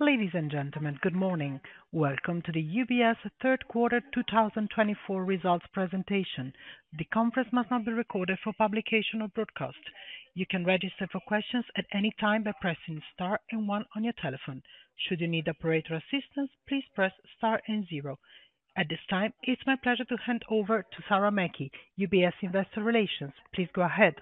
Ladies and gentlemen, good morning. Welcome to the UBS Third Quarter 2024 Results Presentation. The conference must not be recorded for publication or broadcast. You can register for questions at any time by pressing star and one on your telephone. Should you need operator assistance, please press star and zero. At this time, it's my pleasure to hand over to Sarah Mackey, UBS Investor Relations. Please go ahead.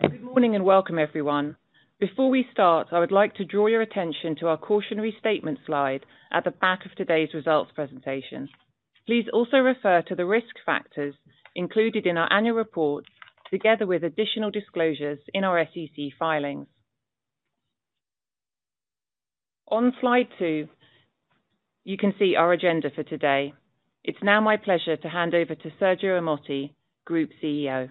Good morning and welcome, everyone. Before we start, I would like to draw your attention to our cautionary statement slide at the back of today's results presentation. Please also refer to the risk factors included in our annual report, together with additional disclosures in our SEC filings. On slide two, you can see our agenda for today. It's now my pleasure to hand over to Sergio Ermotti, Group CEO.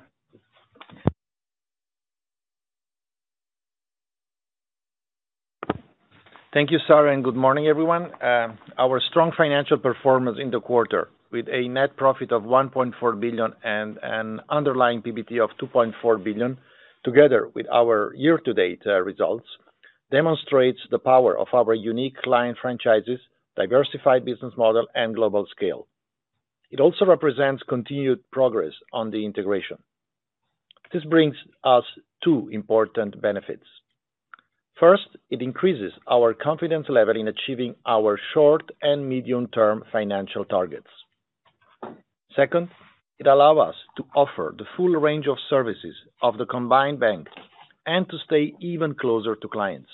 Thank you, Sarah, and good morning, everyone. Our strong financial performance in the quarter, with a net profit of $1.4 billion and an underlying PBT of $2.4 billion, together with our year-to-date results, demonstrates the power of our unique client franchises, diversified business model, and global scale. It also represents continued progress on the integration. This brings us two important benefits. First, it increases our confidence level in achieving our short and medium-term financial targets. Second, it allows us to offer the full range of services of the combined bank and to stay even closer to clients.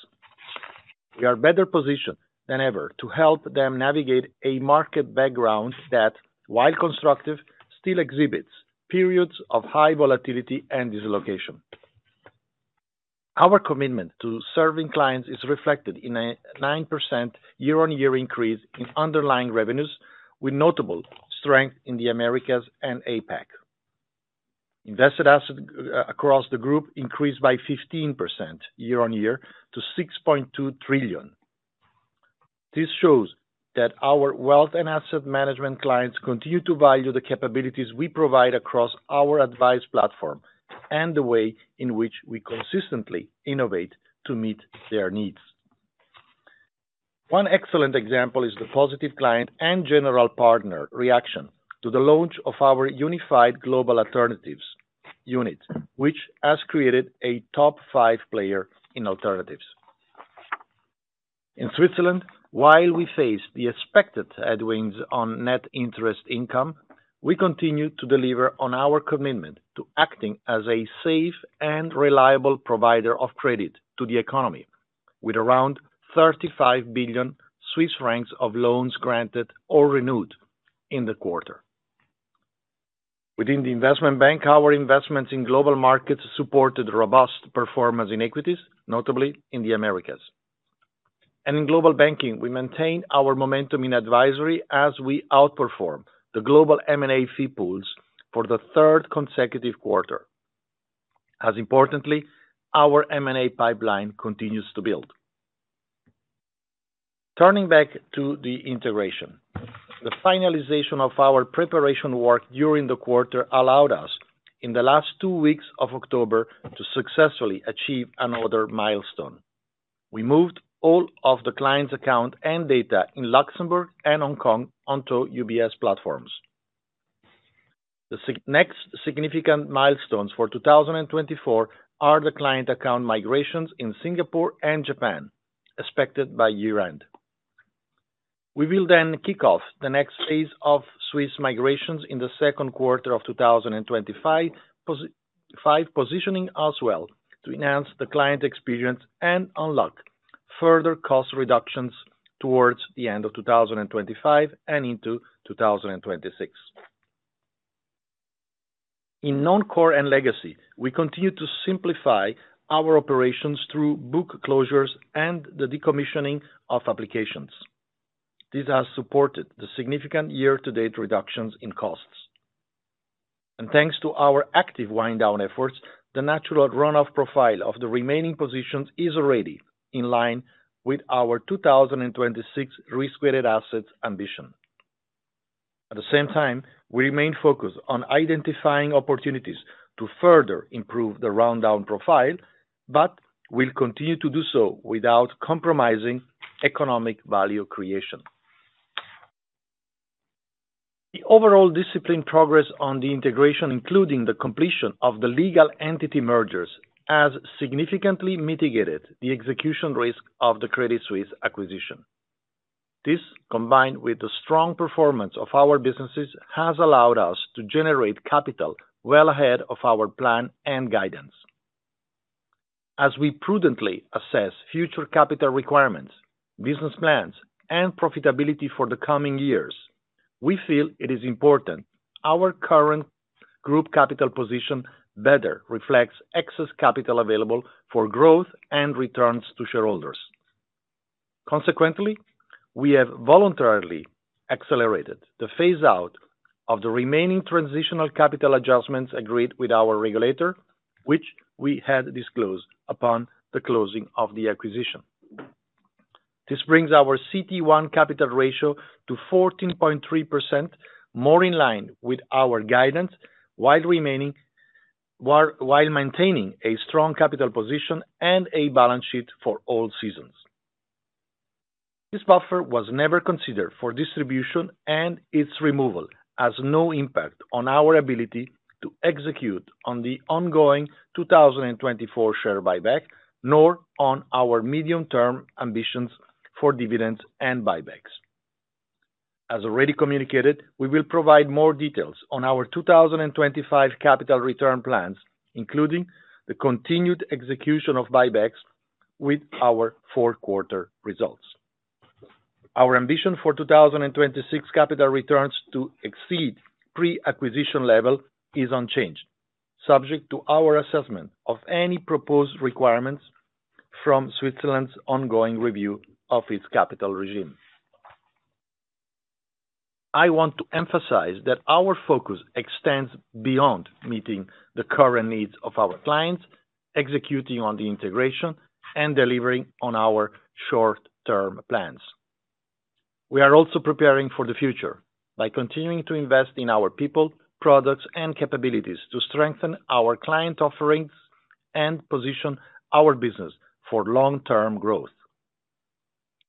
We are better positioned than ever to help them navigate a market background that, while constructive, still exhibits periods of high volatility and dislocation. Our commitment to serving clients is reflected in a 9% year-on-year increase in underlying revenues, with notable strength in the Americas and APAC. Invested assets across the group increased by 15% year-on-year to $6.2 trillion. This shows that our Wealth and Asset Management clients continue to value the capabilities we provide across our advice platform and the way in which we consistently innovate to meet their needs. One excellent example is the positive client and general partner reaction to the launch of our Unified Global Alternatives unit, which has created a top five player in alternatives. In Switzerland, while we face the expected headwinds on net interest income, we continue to deliver on our commitment to acting as a safe and reliable provider of credit to the economy, with around 35 billion Swiss francs of loans granted or renewed in the quarter. Within the Investment Bank, our investments in Global Markets supported robust performance in equities, notably in the Americas. In Global Banking, we maintain our momentum in advisory as we outperform the global M&A fee pools for the third consecutive quarter. As importantly, our M&A pipeline continues to build. Turning back to the integration, the finalization of our preparation work during the quarter allowed us, in the last two weeks of October, to successfully achieve another milestone. We moved all of the client's account and data in Luxembourg and Hong Kong onto UBS platforms. The next significant milestones for 2024 are the client account migrations in Singapore and Japan, expected by year-end. We will then kick off the next phase of Swiss migrations in the second quarter of 2025, positioning us well to enhance the client experience and unlock further cost reductions towards the end of 2025 and into 2026. In Non-Core and Legacy, we continue to simplify our operations through book closures and the decommissioning of applications. This has supported the significant year-to-date reductions in costs. And thanks to our active wind-down efforts, the natural run-off profile of the remaining positions is already in line with our 2026 risk-weighted assets ambition. At the same time, we remain focused on identifying opportunities to further improve the rundown profile, but we'll continue to do so without compromising economic value creation. The overall disciplined progress on the integration, including the completion of the legal entity mergers, has significantly mitigated the execution risk of the Credit Suisse acquisition. This, combined with the strong performance of our businesses, has allowed us to generate capital well ahead of our plan and guidance. As we prudently assess future capital requirements, business plans, and profitability for the coming years, we feel it is important our current group capital position better reflects excess capital available for growth and returns to shareholders. Consequently, we have voluntarily accelerated the phase-out of the remaining transitional capital adjustments agreed with our regulator, which we had disclosed upon the closing of the acquisition. This brings our CET1 capital ratio to 14.3%, more in line with our guidance, while maintaining a strong capital position and a balance sheet for all seasons. This buffer was never considered for distribution and its removal has no impact on our ability to execute on the ongoing 2024 share buyback, nor on our medium-term ambitions for dividends and buybacks. As already communicated, we will provide more details on our 2025 capital return plans, including the continued execution of buybacks with our four-quarter results. Our ambition for 2026 capital returns to exceed pre-acquisition level is unchanged, subject to our assessment of any proposed requirements from Switzerland's ongoing review of its capital regime. I want to emphasize that our focus extends beyond meeting the current needs of our clients, executing on the integration, and delivering on our short-term plans. We are also preparing for the future by continuing to invest in our people, products, and capabilities to strengthen our client offerings and position our business for long-term growth.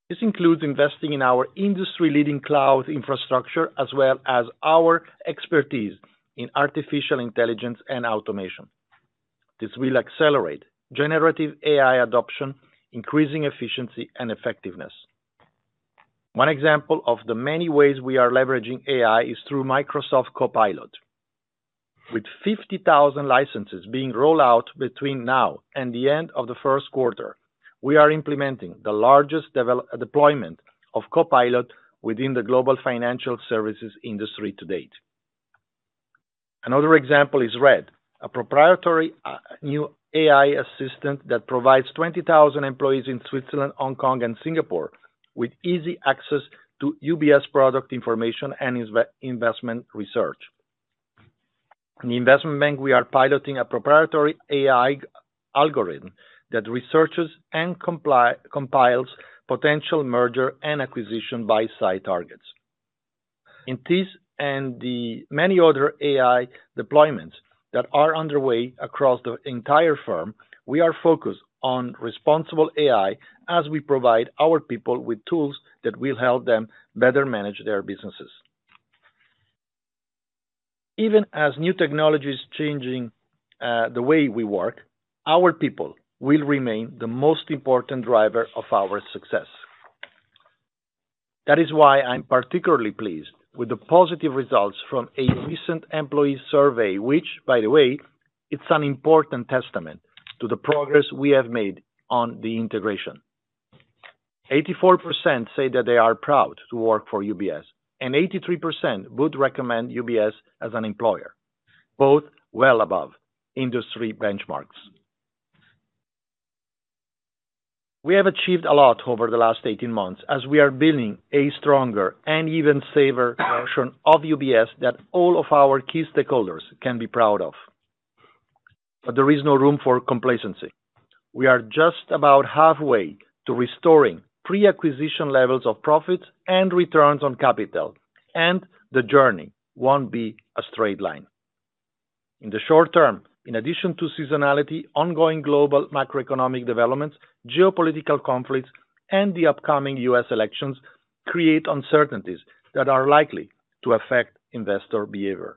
This includes investing in our industry-leading cloud infrastructure, as well as our expertise in artificial intelligence and automation. This will accelerate generative AI adoption, increasing efficiency and effectiveness. One example of the many ways we are leveraging AI is through Microsoft Copilot. With 50,000 licenses being rolled out between now and the end of the first quarter, we are implementing the largest deployment of Copilot within the global financial services industry to date. Another example is Red, a proprietary new AI assistant that provides 20,000 employees in Switzerland, Hong Kong, and Singapore with easy access to UBS product information and investment research. In the Investment Bank, we are piloting a proprietary AI algorithm that researches and compiles potential merger and acquisition buy-side targets. In this and the many other AI deployments that are underway across the entire firm, we are focused on responsible AI as we provide our people with tools that will help them better manage their businesses. Even as new technologies change the way we work, our people will remain the most important driver of our success. That is why I'm particularly pleased with the positive results from a recent employee survey, which, by the way, is an important testament to the progress we have made on the integration. 84% say that they are proud to work for UBS, and 83% would recommend UBS as an employer, both well above industry benchmarks. We have achieved a lot over the last 18 months as we are building a stronger and even safer version of UBS that all of our key stakeholders can be proud of. But there is no room for complacency. We are just about halfway to restoring pre-acquisition levels of profits and returns on capital, and the journey won't be a straight line. In the short term, in addition to seasonality, ongoing global macroeconomic developments, geopolitical conflicts, and the upcoming U.S. elections create uncertainties that are likely to affect investor behavior.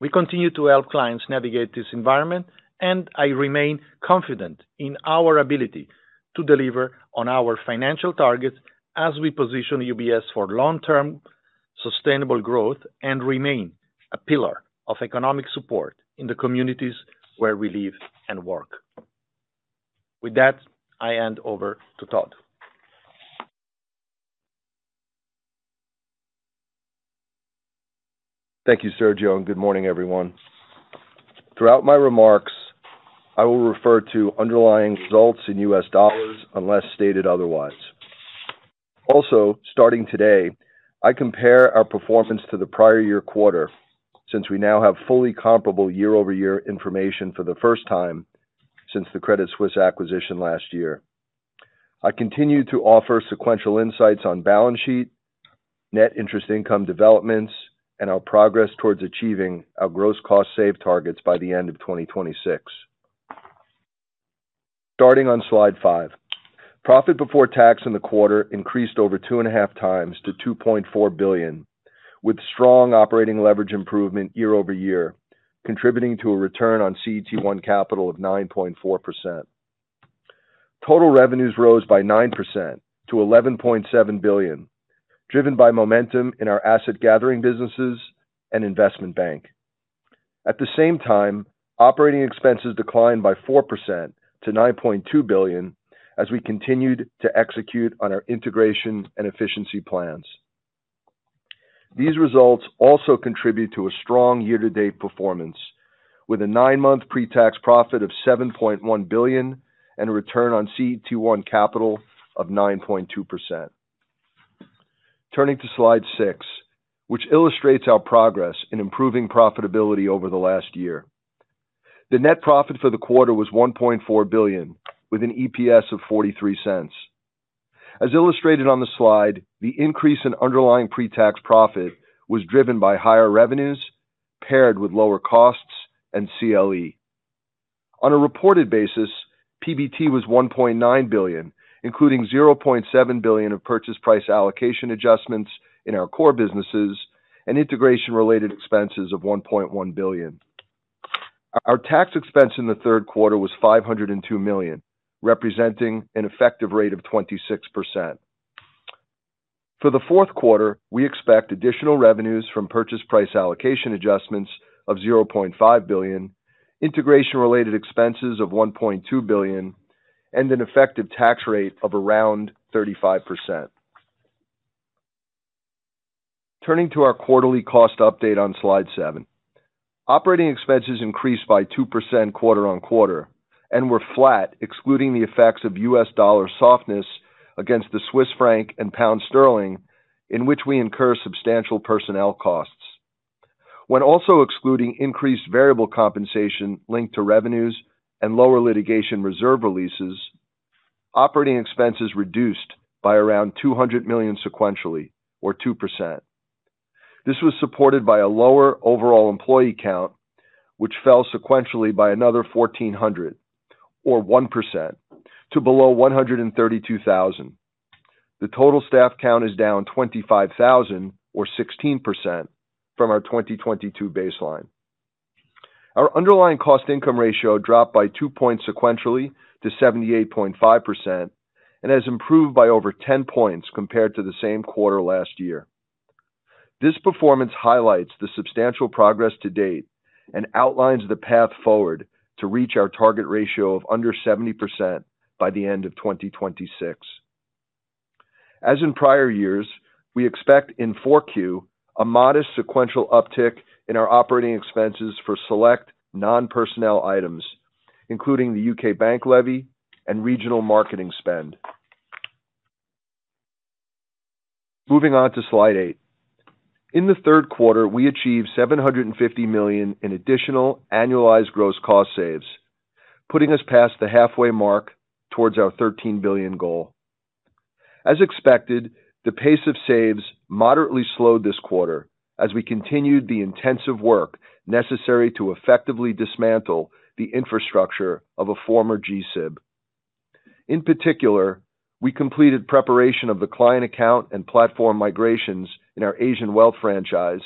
We continue to help clients navigate this environment, and I remain confident in our ability to deliver on our financial targets as we position UBS for long-term sustainable growth and remain a pillar of economic support in the communities where we live and work. With that, I hand over to Todd. Thank you, Sergio, and good morning, everyone. Throughout my remarks, I will refer to underlying results in US dollars unless stated otherwise. Also, starting today, I compare our performance to the prior year quarter since we now have fully comparable year-over-year information for the first time since the Credit Suisse acquisition last year. I continue to offer sequential insights on balance sheet, net interest income developments, and our progress towards achieving our gross cost save targets by the end of 2026. Starting on slide five, Profit Before Tax in the quarter increased over 2.5x to $2.4 billion, with strong operating leverage improvement year-over-year, contributing to a return on CET1 capital of 9.4%. Total revenues rose by 9% to $11.7 billion, driven by momentum in our Asset Gathering businesses and Investment Bank. At the same time, operating expenses declined by 4% to $9.2 billion as we continued to execute on our integration and efficiency plans. These results also contribute to a strong year-to-date performance, with a nine-month pre-tax profit of $7.1 billion and a return on CET1 capital of 9.2%. Turning to slide six, which illustrates our progress in improving profitability over the last year. The net profit for the quarter was $1.4 billion, with an EPS of $0.43. As illustrated on the slide, the increase in underlying pre-tax profit was driven by higher revenues paired with lower costs and CLE. On a reported basis, PBT was $1.9 billion, including $0.7 billion of purchase price allocation adjustments in our core businesses and integration-related expenses of $1.1 billion. Our tax expense in the third quarter was $502 million, representing an effective rate of 26%. For the fourth quarter, we expect additional revenues from purchase price allocation adjustments of $0.5 billion, integration-related expenses of $1.2 billion, and an effective tax rate of around 35%. Turning to our quarterly cost update on slide seven, operating expenses increased by 2% quarter on quarter and were flat, excluding the effects of U.S. dollar softness against the Swiss franc and pound sterling, in which we incur substantial personnel costs. When also excluding increased variable compensation linked to revenues and lower litigation reserve releases, operating expenses reduced by around 200 million sequentially, or 2%. This was supported by a lower overall employee count, which fell sequentially by another 1,400, or 1%, to below 132,000. The total staff count is down 25,000, or 16%, from our 2022 baseline. Our underlying cost income ratio dropped by two points sequentially to 78.5% and has improved by over 10 points compared to the same quarter last year. This performance highlights the substantial progress to date and outlines the path forward to reach our target ratio of under 70% by the end of 2026. As in prior years, we expect in Q4 a modest sequential uptick in our operating expenses for select non-personnel items, including the UK bank levy and regional marketing spend. Moving on to slide eight. In the third quarter, we achieved $750 million in additional annualized gross cost saves, putting us past the halfway mark towards our $13 billion goal. As expected, the pace of saves moderately slowed this quarter as we continued the intensive work necessary to effectively dismantle the infrastructure of a former GSIB. In particular, we completed preparation of the client account and platform migrations in our Asian Wealth franchise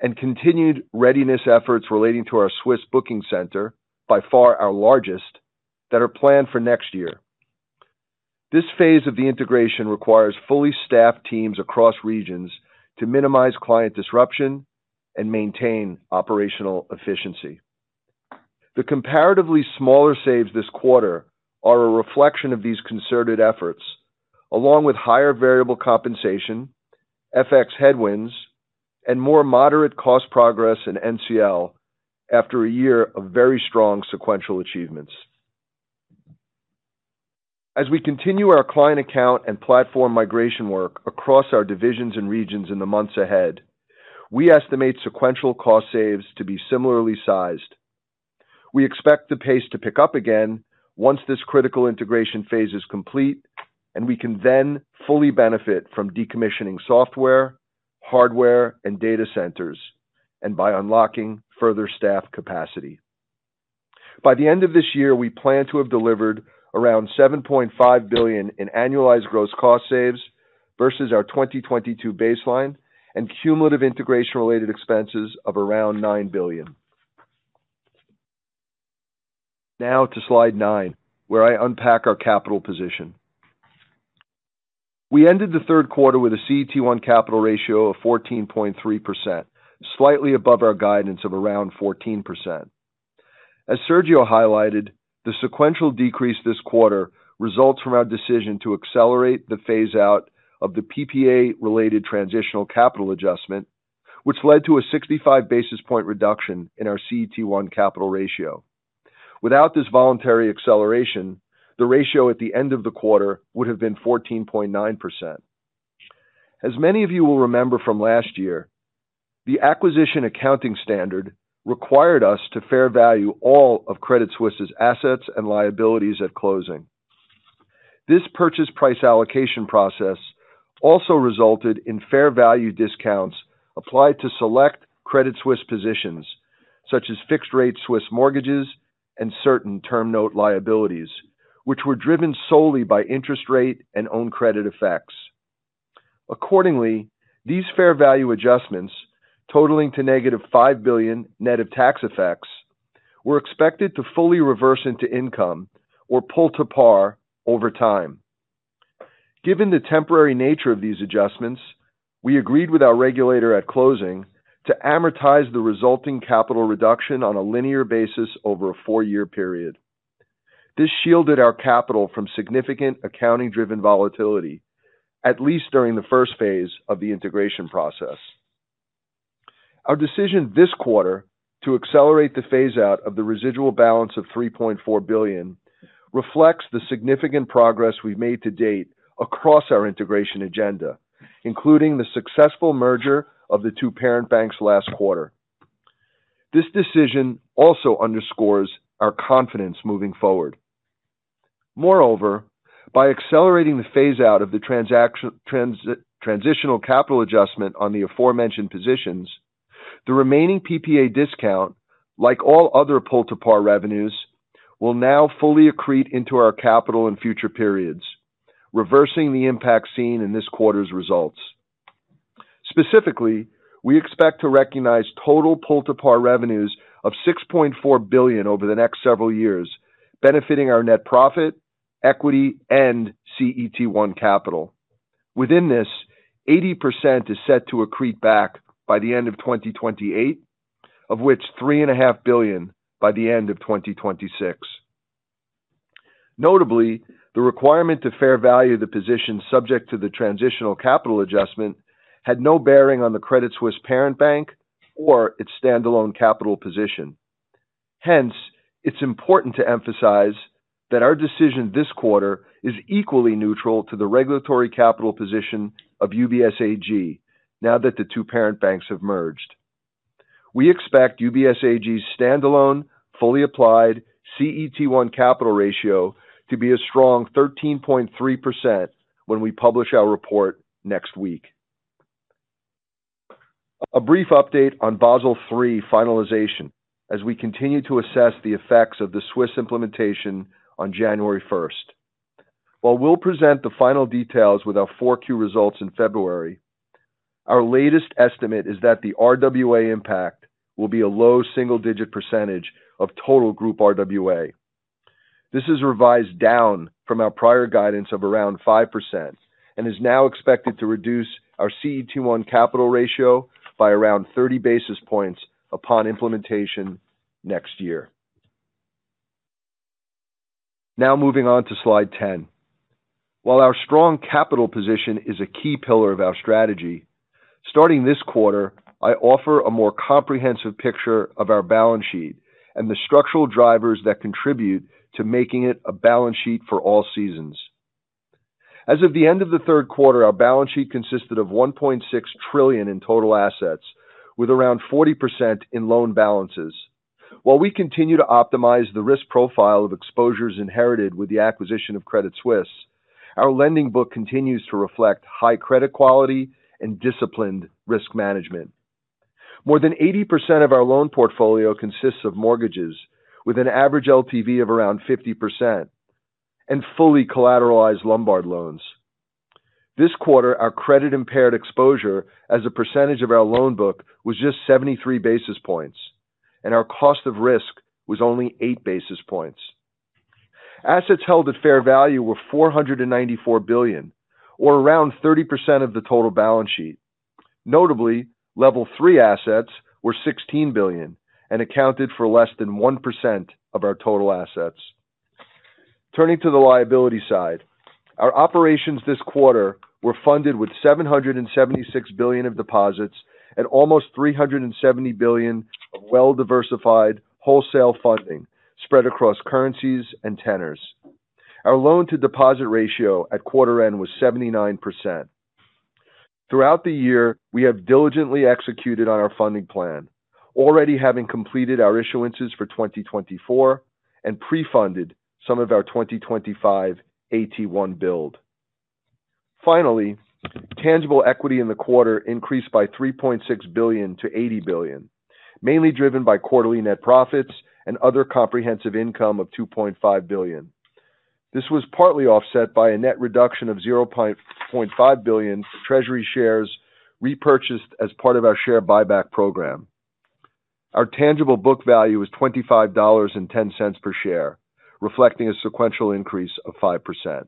and continued readiness efforts relating to our Swiss booking center, by far our largest, that are planned for next year. This phase of the integration requires fully staffed teams across regions to minimize client disruption and maintain operational efficiency. The comparatively smaller saves this quarter are a reflection of these concerted efforts, along with higher variable compensation, FX headwinds, and more moderate cost progress in NCL after a year of very strong sequential achievements. As we continue our client account and platform migration work across our divisions and regions in the months ahead, we estimate sequential cost saves to be similarly sized. We expect the pace to pick up again once this critical integration phase is complete, and we can then fully benefit from decommissioning software, hardware, and data centers, and by unlocking further staff capacity. By the end of this year, we plan to have delivered around $7.5 billion in annualized gross cost saves versus our 2022 baseline and cumulative integration-related expenses of around $9 billion. Now to slide nine, where I unpack our capital position. We ended the third quarter with a CET1 capital ratio of 14.3%, slightly above our guidance of around 14%. As Sergio highlighted, the sequential decrease this quarter results from our decision to accelerate the phase-out of the PPA-related transitional capital adjustment, which led to a 65 basis point reduction in our CET1 capital ratio. Without this voluntary acceleration, the ratio at the end of the quarter would have been 14.9%. As many of you will remember from last year, the acquisition accounting standard required us to fair value all of Credit Suisse's assets and liabilities at closing. This purchase price allocation process also resulted in fair value discounts applied to select Credit Suisse positions, such as fixed-rate Swiss mortgages and certain term note liabilities, which were driven solely by interest rate and own credit effects. Accordingly, these fair value adjustments, totaling to -$5 billion net of tax effects, were expected to fully reverse into income or pull to par over time. Given the temporary nature of these adjustments, we agreed with our regulator at closing to amortize the resulting capital reduction on a linear basis over a four-year period. This shielded our capital from significant accounting-driven volatility, at least during the first phase of the integration process. Our decision this quarter to accelerate the phase-out of the residual balance of $3.4 billion reflects the significant progress we've made to date across our integration agenda, including the successful merger of the two parent banks last quarter. This decision also underscores our confidence moving forward. Moreover, by accelerating the phase-out of the transitional capital adjustment on the aforementioned positions, the remaining PPA discount, like all other pull-to-par revenues, will now fully accrete into our capital in future periods, reversing the impact seen in this quarter's results. Specifically, we expect to recognize total pull-to-par revenues of $6.4 billion over the next several years, benefiting our net profit, equity, and CET1 capital. Within this, 80% is set to accrete back by the end of 2028, of which $3.5 billion by the end of 2026. Notably, the requirement to fair value the positions subject to the transitional capital adjustment had no bearing on the Credit Suisse parent bank or its standalone capital position. Hence, it's important to emphasize that our decision this quarter is equally neutral to the regulatory capital position of UBS AG now that the two parent banks have merged. We expect UBS AG's standalone, fully applied CET1 capital ratio to be a strong 13.3% when we publish our report next week. A brief update on Basel III finalization as we continue to assess the effects of the Swiss implementation on January 1st. While we'll present the final details with our 4Q results in February, our latest estimate is that the RWA impact will be a low single-digit % of total group RWA. This is revised down from our prior guidance of around 5% and is now expected to reduce our CET1 capital ratio by around 30 basis points upon implementation next year. Now moving on to slide ten. While our strong capital position is a key pillar of our strategy, starting this quarter, I offer a more comprehensive picture of our balance sheet and the structural drivers that contribute to making it a balance sheet for all seasons. As of the end of the third quarter, our balance sheet consisted of $1.6 trillion in total assets, with around 40% in loan balances. While we continue to optimize the risk profile of exposures inherited with the acquisition of Credit Suisse, our lending book continues to reflect high credit quality and disciplined risk management. More than 80% of our loan portfolio consists of mortgages, with an average LTV of around 50%, and fully collateralized Lombard loans. This quarter, our credit-impaired exposure as a percentage of our loan book was just 73 basis points, and our cost of risk was only 8 basis points. Assets held at fair value were $494 billion, or around 30% of the total balance sheet. Notably, Level 3 assets were $16 billion and accounted for less than 1% of our total assets. Turning to the liability side, our operations this quarter were funded with $776 billion of deposits and almost $370 billion of well-diversified wholesale funding spread across currencies and tenors. Our loan-to-deposit ratio at quarter end was 79%. Throughout the year, we have diligently executed on our funding plan, already having completed our issuances for 2024 and pre-funded some of our 2025 AT1 build. Finally, tangible equity in the quarter increased by $3.6 billion to $80 billion, mainly driven by quarterly net profits and other comprehensive income of $2.5 billion. This was partly offset by a net reduction of $0.5 billion for treasury shares repurchased as part of our share buyback program. Our tangible book value was $25.10 per share, reflecting a sequential increase of 5%.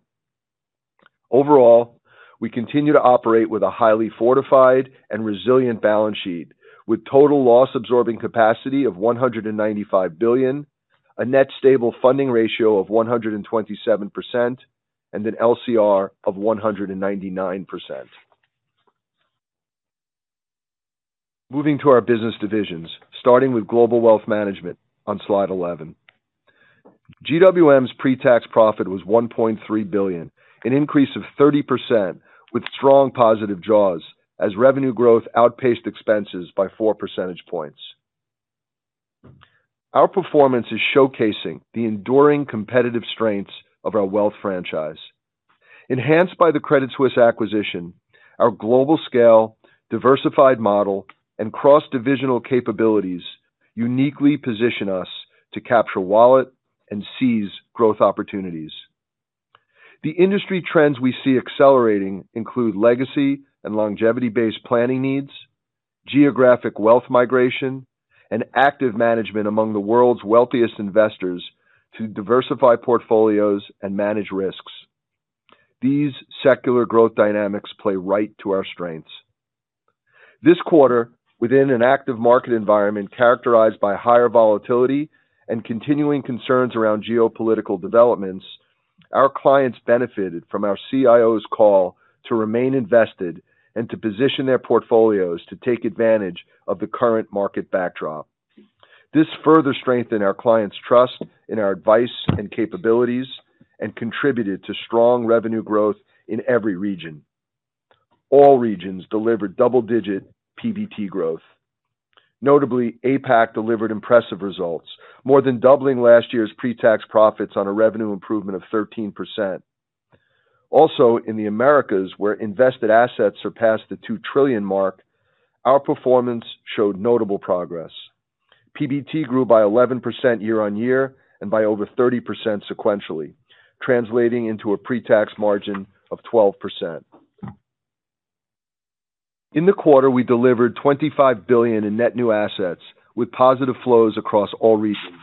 Overall, we continue to operate with a highly fortified and resilient balance sheet, with total loss-absorbing capacity of $195 billion, a net stable funding ratio of 127%, and an LCR of 199%. Moving to our business divisions, starting with Global Wealth Management on slide 11. GWM's pre-tax profit was $1.3 billion, an increase of 30%, with strong positive jaws as revenue growth outpaced expenses by 4 percentage points. Our performance is showcasing the enduring competitive strengths of our wealth franchise. Enhanced by the Credit Suisse acquisition, our global scale, diversified model, and cross-divisional capabilities uniquely position us to capture wallet and seize growth opportunities. The industry trends we see accelerating include legacy and longevity-based planning needs, geographic wealth migration, and active management among the world's wealthiest investors to diversify portfolios and manage risks. These secular growth dynamics play right to our strengths. This quarter, within an active market environment characterized by higher volatility and continuing concerns around geopolitical developments, our clients benefited from our CIO's call to remain invested and to position their portfolios to take advantage of the current market backdrop. This further strengthened our clients' trust in our advice and capabilities and contributed to strong revenue growth in every region. All regions delivered double-digit PBT growth. Notably, APAC delivered impressive results, more than doubling last year's pre-tax profits on a revenue improvement of 13%. Also, in the Americas, where invested assets surpassed the $2 trillion mark, our performance showed notable progress. PBT grew by 11% year-on-year and by over 30% sequentially, translating into a pre-tax margin of 12%. In the quarter, we delivered $25 billion in net new assets with positive flows across all regions.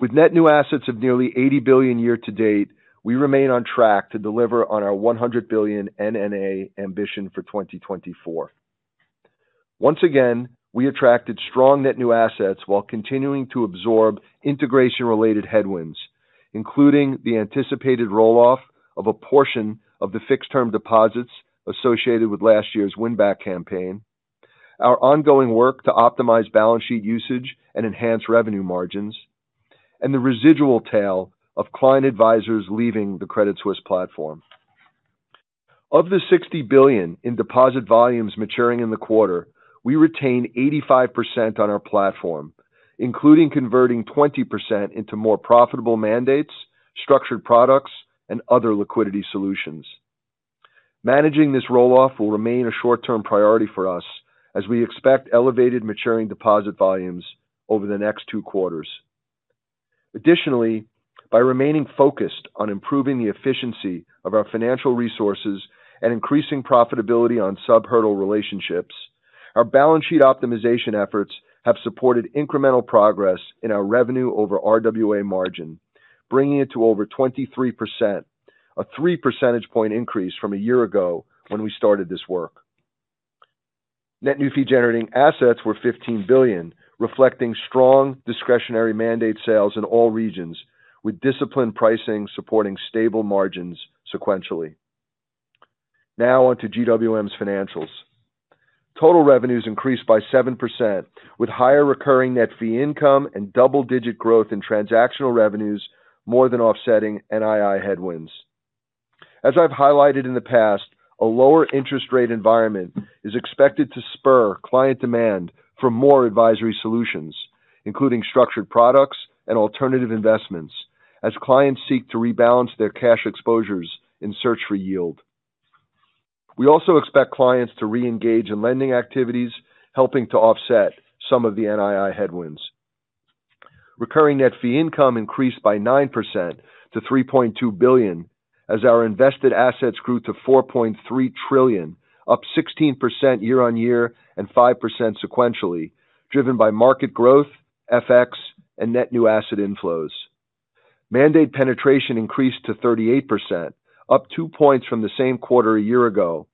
With net new assets of nearly $80 billion year-to-date, we remain on track to deliver on our $100 billion NNA ambition for 2024. Once again, we attracted strong net new assets while continuing to absorb integration-related headwinds, including the anticipated rolloff of a portion of the fixed-term deposits associated with last year's win-back campaign, our ongoing work to optimize balance sheet usage and enhance revenue margins, and the residual tail of client advisors leaving the Credit Suisse platform. Of the $60 billion in deposit volumes maturing in the quarter, we retain 85% on our platform, including converting 20% into more profitable mandates, structured products, and other liquidity solutions. Managing this rolloff will remain a short-term priority for us, as we expect elevated maturing deposit volumes over the next two quarters. Additionally, by remaining focused on improving the efficiency of our financial resources and increasing profitability on sub-hurdle relationships, our balance sheet optimization efforts have supported incremental progress in our revenue over RWA margin, bringing it to over 23%, a 3 percentage point increase from a year ago when we started this work. Net new fee-generating assets were $15 billion, reflecting strong discretionary mandate sales in all regions, with disciplined pricing supporting stable margins sequentially. Now on to GWM's financials. Total revenues increased by 7%, with higher recurring net fee income and double-digit growth in transactional revenues more than offsetting NII headwinds. As I've highlighted in the past, a lower interest rate environment is expected to spur client demand for more advisory solutions, including structured products and alternative investments, as clients seek to rebalance their cash exposures in search for yield. We also expect clients to re-engage in lending activities, helping to offset some of the NII headwinds. Recurring net fee income increased by 9% to $3.2 billion, as our invested assets grew to $4.3 trillion, up 16% year-on-year and 5% sequentially, driven by market growth, FX, and net new asset inflows. Mandate penetration increased to 38%, up 2 points from the same quarter a year ago,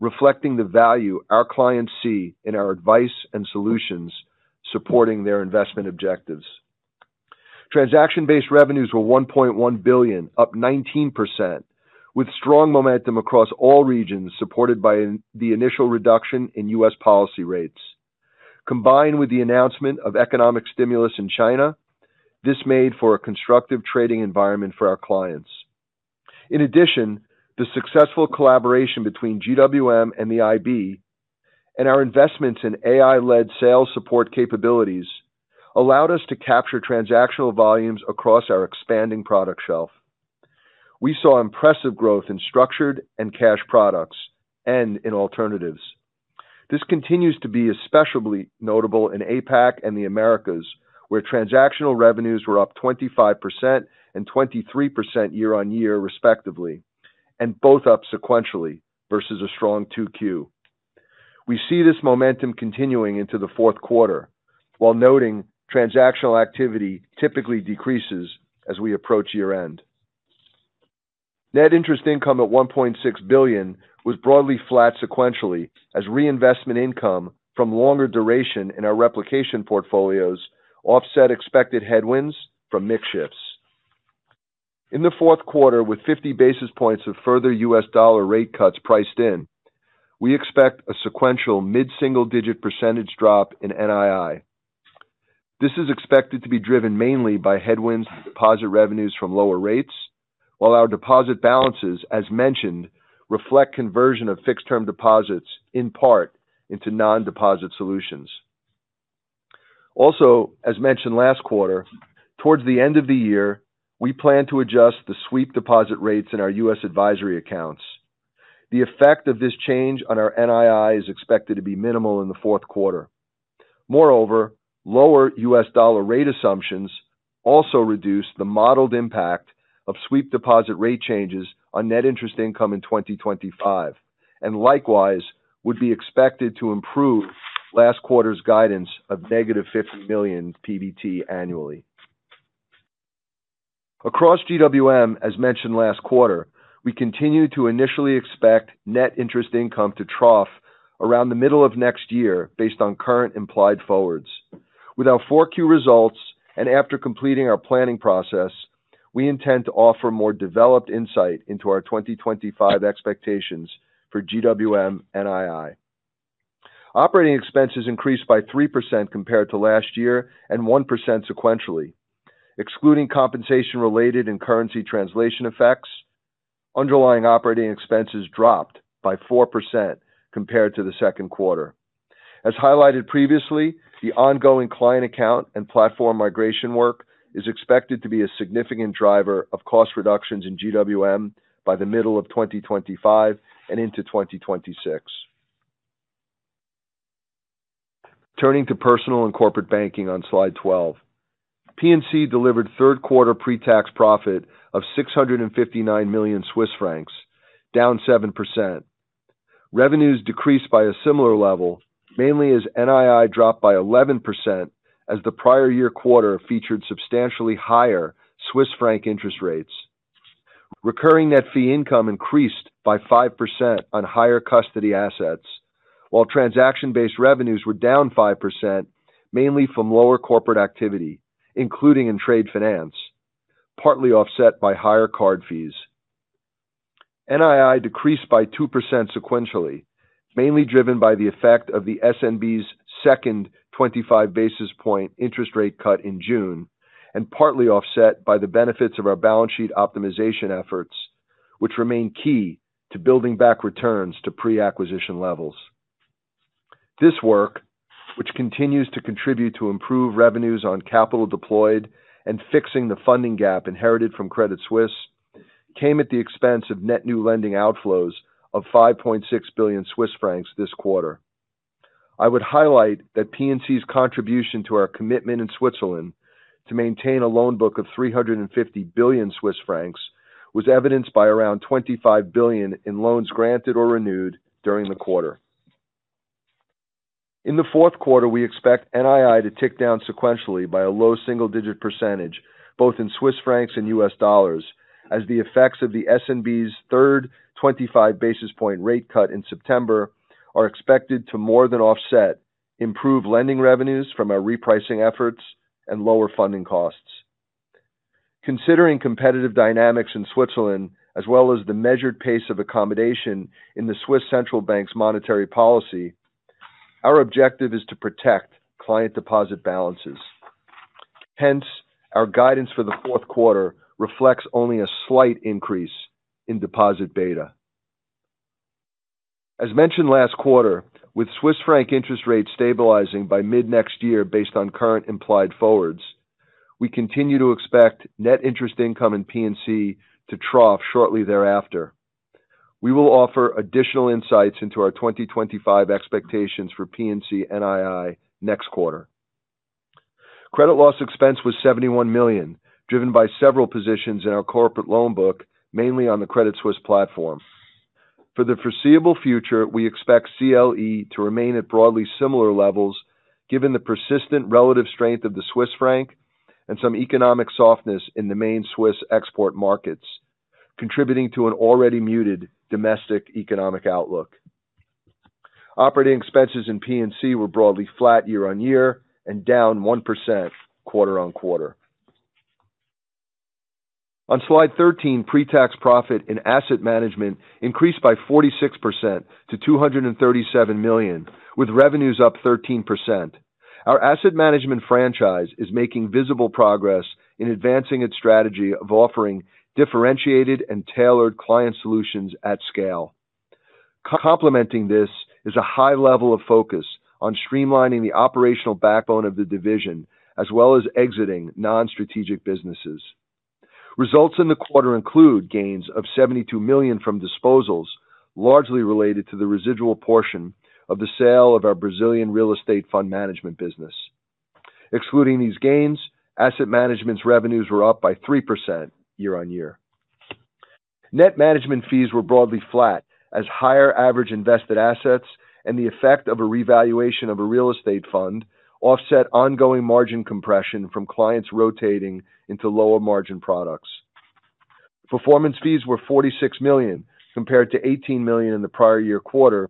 reflecting the value our clients see in our advice and solutions supporting their investment objectives. Transaction-based revenues were $1.1 billion, up 19%, with strong momentum across all regions supported by the initial reduction in U.S. policy rates. Combined with the announcement of economic stimulus in China, this made for a constructive trading environment for our clients. In addition, the successful collaboration between GWM and the IB, and our investments in AI-led sales support capabilities, allowed us to capture transactional volumes across our expanding product shelf. We saw impressive growth in structured and cash products, and in alternatives. This continues to be especially notable in APAC and the Americas, where transactional revenues were up 25% and 23% year-on-year, respectively, and both up sequentially versus a strong 2Q. We see this momentum continuing into the fourth quarter, while noting transactional activity typically decreases as we approach year-end. Net interest income at $1.6 billion was broadly flat sequentially, as reinvestment income from longer duration in our replication portfolios offset expected headwinds from mix shifts. In the fourth quarter, with 50 basis points of further U.S. dollar rate cuts priced in, we expect a sequential mid-single-digit percentage drop in NII. This is expected to be driven mainly by headwinds in deposit revenues from lower rates, while our deposit balances, as mentioned, reflect conversion of fixed-term deposits in part into non-deposit solutions. Also, as mentioned last quarter, towards the end of the year, we plan to adjust the sweep deposit rates in our U.S. advisory accounts. The effect of this change on our NII is expected to be minimal in the fourth quarter. Moreover, lower U.S. Dollar rate assumptions also reduce the modeled impact of sweep deposit rate changes on net interest income in 2025, and likewise would be expected to improve last quarter's guidance of -$50 million PBT annually. Across GWM, as mentioned last quarter, we continue to initially expect net interest income to trough around the middle of next year based on current implied forwards. With our 4Q results and after completing our planning process, we intend to offer more developed insight into our 2025 expectations for GWM NII. Operating expenses increased by 3% compared to last year and 1% sequentially. Excluding compensation-related and currency translation effects, underlying operating expenses dropped by 4% compared to the second quarter. As highlighted previously, the ongoing client account and platform migration work is expected to be a significant driver of cost reductions in GWM by the middle of 2025 and into 2026. Turning to Personal and Corporate Banking on slide 12. P&C delivered third quarter pre-tax profit of 659 million Swiss francs, down 7%. Revenues decreased by a similar level, mainly as NII dropped by 11% as the prior year quarter featured substantially higher Swiss franc interest rates. Recurring net fee income increased by 5% on higher custody assets, while transaction-based revenues were down 5%, mainly from lower corporate activity, including in trade finance, partly offset by higher card fees. NII decreased by 2% sequentially, mainly driven by the effect of the SNB's second 25 basis point interest rate cut in June, and partly offset by the benefits of our balance sheet optimization efforts, which remain key to building back returns to pre-acquisition levels. This work, which continues to contribute to improve revenues on capital deployed and fixing the funding gap inherited from Credit Suisse, came at the expense of net new lending outflows of 5.6 billion Swiss francs this quarter. I would highlight that P&C's contribution to our commitment in Switzerland to maintain a loan book of 350 billion Swiss francs was evidenced by around 25 billion in loans granted or renewed during the quarter. In the fourth quarter, we expect NII to tick down sequentially by a low single-digit %, both in Swiss francs and U.S. dollars, as the effects of the SNB's third 25 basis point rate cut in September are expected to more than offset, improve lending revenues from our repricing efforts, and lower funding costs. Considering competitive dynamics in Switzerland, as well as the measured pace of accommodation in the Swiss central bank's monetary policy, our objective is to protect client deposit balances. Hence, our guidance for the fourth quarter reflects only a slight increase in deposit beta. As mentioned last quarter, with Swiss franc interest rates stabilizing by mid-next year based on current implied forwards, we continue to expect net interest income in P&C to trough shortly thereafter. We will offer additional insights into our 2025 expectations for P&C NII next quarter. Credit loss expense was $71 million, driven by several positions in our corporate loan book, mainly on the Credit Suisse platform. For the foreseeable future, we expect CLE to remain at broadly similar levels, given the persistent relative strength of the Swiss franc and some economic softness in the main Swiss export markets, contributing to an already muted domestic economic outlook. Operating expenses in P&C were broadly flat year-on-year and down 1% quarter on quarter. On slide 13, pre-tax profit in Asset Management increased by 46% to $237 million, with revenues up 13%. Our Asset Management franchise is making visible progress in advancing its strategy of offering differentiated and tailored client solutions at scale. Complementing this is a high level of focus on streamlining the operational backbone of the division, as well as exiting non-strategic businesses. Results in the quarter include gains of $72 million from disposals, largely related to the residual portion of the sale of our Brazilian real estate fund management business. Excluding these gains, Asset Management's revenues were up by 3% year-on-year. Net management fees were broadly flat, as higher average invested assets and the effect of a revaluation of a real estate fund offset ongoing margin compression from clients rotating into lower margin products. Performance fees were $46 million compared to $18 million in the prior year quarter,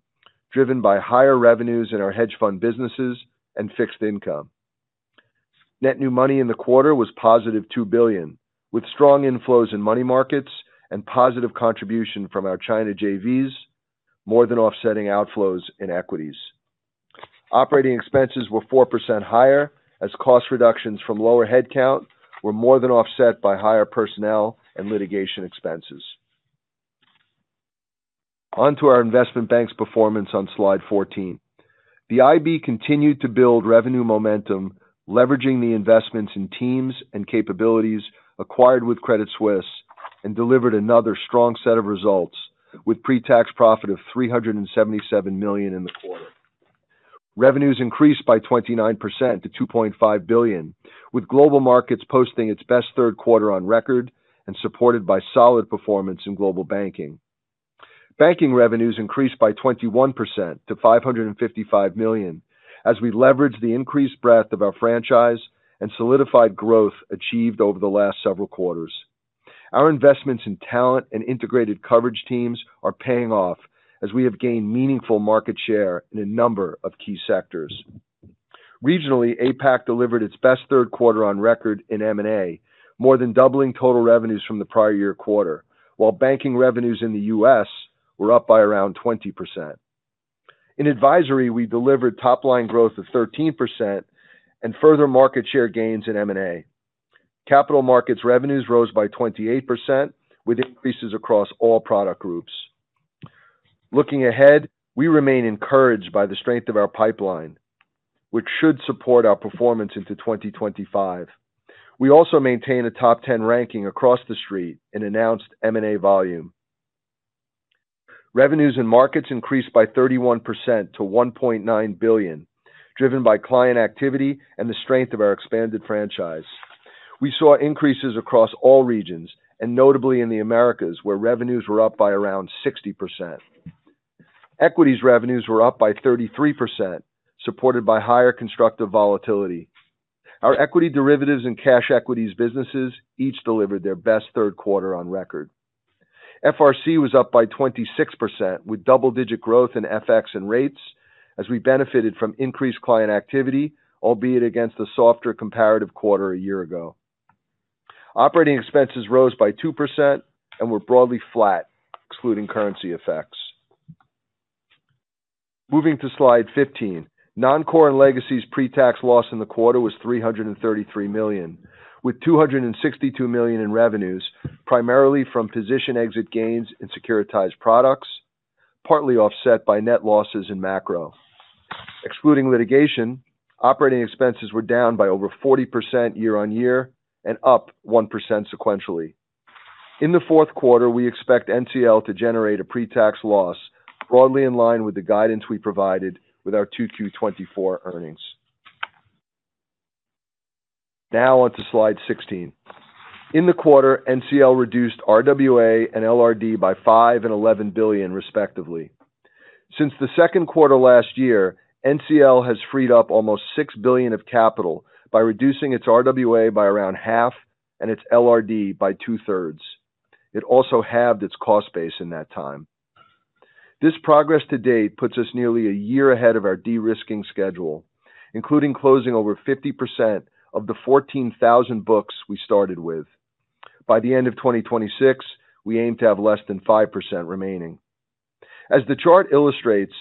driven by higher revenues in our hedge fund businesses and fixed income. Net new money in the quarter was +$2 billion, with strong inflows in money markets and positive contribution from our China JVs, more than offsetting outflows in equities. Operating expenses were 4% higher, as cost reductions from lower headcount were more than offset by higher personnel and litigation expenses. On to our Investment Bank's performance on slide 14. The IB continued to build revenue momentum, leveraging the investments in teams and capabilities acquired with Credit Suisse, and delivered another strong set of results, with pre-tax profit of $377 million in the quarter. Revenues increased by 29% to $2.5 billion, with Global Markets posting its best third quarter on record and supported by solid performance in Global Banking. Banking revenues increased by 21% to $555 million, as we leveraged the increased breadth of our franchise and solidified growth achieved over the last several quarters. Our investments in talent and integrated coverage teams are paying off, as we have gained meaningful market share in a number of key sectors. Regionally, APAC delivered its best third quarter on record in M&A, more than doubling total revenues from the prior year quarter, while banking revenues in the U.S. were up by around 20%. In advisory, we delivered top-line growth of 13% and further market share gains in M&A. Capital markets revenues rose by 28%, with increases across all product groups. Looking ahead, we remain encouraged by the strength of our pipeline, which should support our performance into 2025. We also maintain a top 10 ranking across the street in announced M&A volume. Revenues in markets increased by 31% to $1.9 billion, driven by client activity and the strength of our expanded franchise. We saw increases across all regions, and notably in the Americas, where revenues were up by around 60%. Equities revenues were up by 33%, supported by higher constructive volatility. Our equity derivatives and cash equities businesses each delivered their best third quarter on record. FRC was up by 26%, with double-digit growth in FX and rates, as we benefited from increased client activity, albeit against a softer comparative quarter a year ago. Operating expenses rose by 2% and were broadly flat, excluding currency effects. Moving to slide 15, Non-Core and Legacy pre-tax loss in the quarter was $333 million, with $262 million in revenues, primarily from position exit gains in securitized products, partly offset by net losses in macro. Excluding litigation, operating expenses were down by over 40% year-on-year and up 1% sequentially. In the fourth quarter, we expect NCL to generate a pre-tax loss, broadly in line with the guidance we provided with our 2Q 2024 earnings. Now on to slide 16. In the quarter, NCL reduced RWA and LRD by $5 billion and $11 billion, respectively. Since the second quarter last year, NCL has freed up almost $6 billion of capital by reducing its RWA by around half and its LRD by two-thirds. It also halved its cost base in that time. This progress to date puts us nearly a year ahead of our de-risking schedule, including closing over 50% of the 14,000 books we started with. By the end of 2026, we aim to have less than 5% remaining. As the chart illustrates,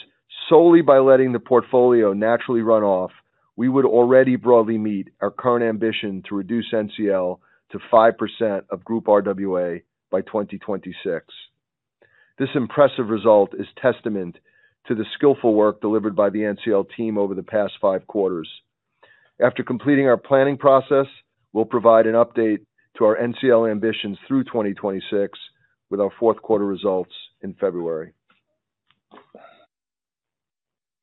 solely by letting the portfolio naturally run off, we would already broadly meet our current ambition to reduce NCL to 5% of group RWA by 2026. This impressive result is testament to the skillful work delivered by the NCL team over the past five quarters. After completing our planning process, we'll provide an update to our NCL ambitions through 2026, with our fourth quarter results in February.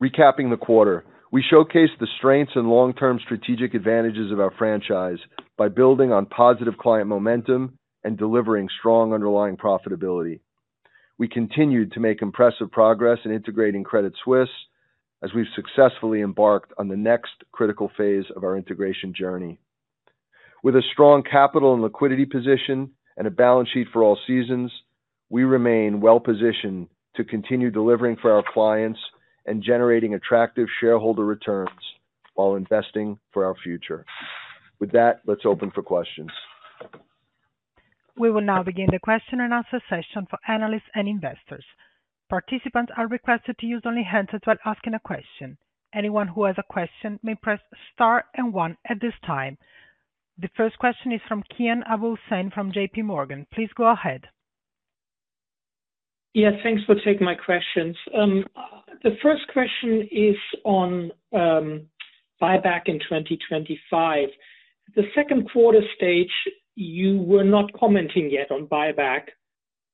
Recapping the quarter, we showcased the strengths and long-term strategic advantages of our franchise by building on positive client momentum and delivering strong underlying profitability. We continued to make impressive progress in integrating Credit Suisse, as we've successfully embarked on the next critical phase of our integration journey. With a strong capital and liquidity position and a balance sheet for all seasons, we remain well-positioned to continue delivering for our clients and generating attractive shareholder returns while investing for our future. With that, let's open for questions. We will now begin the question and answer session for analysts and investors. Participants are requested to use only handsets while asking a question. Anyone who has a question may press Star and One at this time. The first question is from Kian Abouhossein from J.P. Morgan. Please go ahead. Yes, thanks for taking my questions. The first question is on buyback in 2025. The second quarter stage, you were not commenting yet on buyback.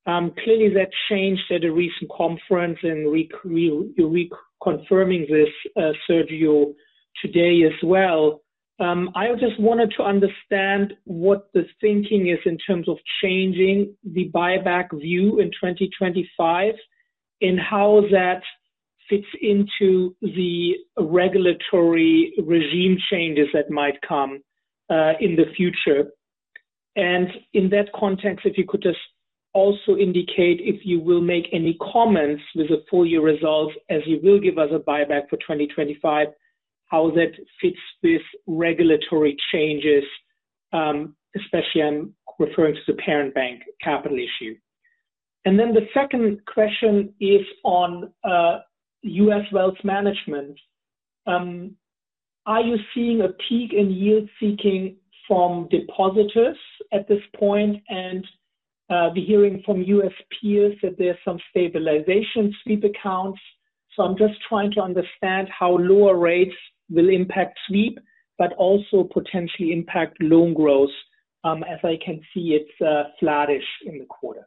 Clearly, that changed at a recent conference, and you're reconfirming this, Sergio, today as well. I just wanted to understand what the thinking is in terms of changing the buyback view in 2025 and how that fits into the regulatory regime changes that might come in the future. And in that context, if you could just also indicate if you will make any comments with the full year results, as you will give us a buyback for 2025, how that fits with regulatory changes, especially, I'm referring to the parent bank capital issue. And then the second question is on U.S. Wealth Management. Are you seeing a peak in yield-seeking from depositors at this point? And we're hearing from U.S. peers that there's some stabilization in sweep accounts. So I'm just trying to understand how lower rates will impact sweep accounts, but also potentially impact loan growth, as I can see it's flattish in the quarter.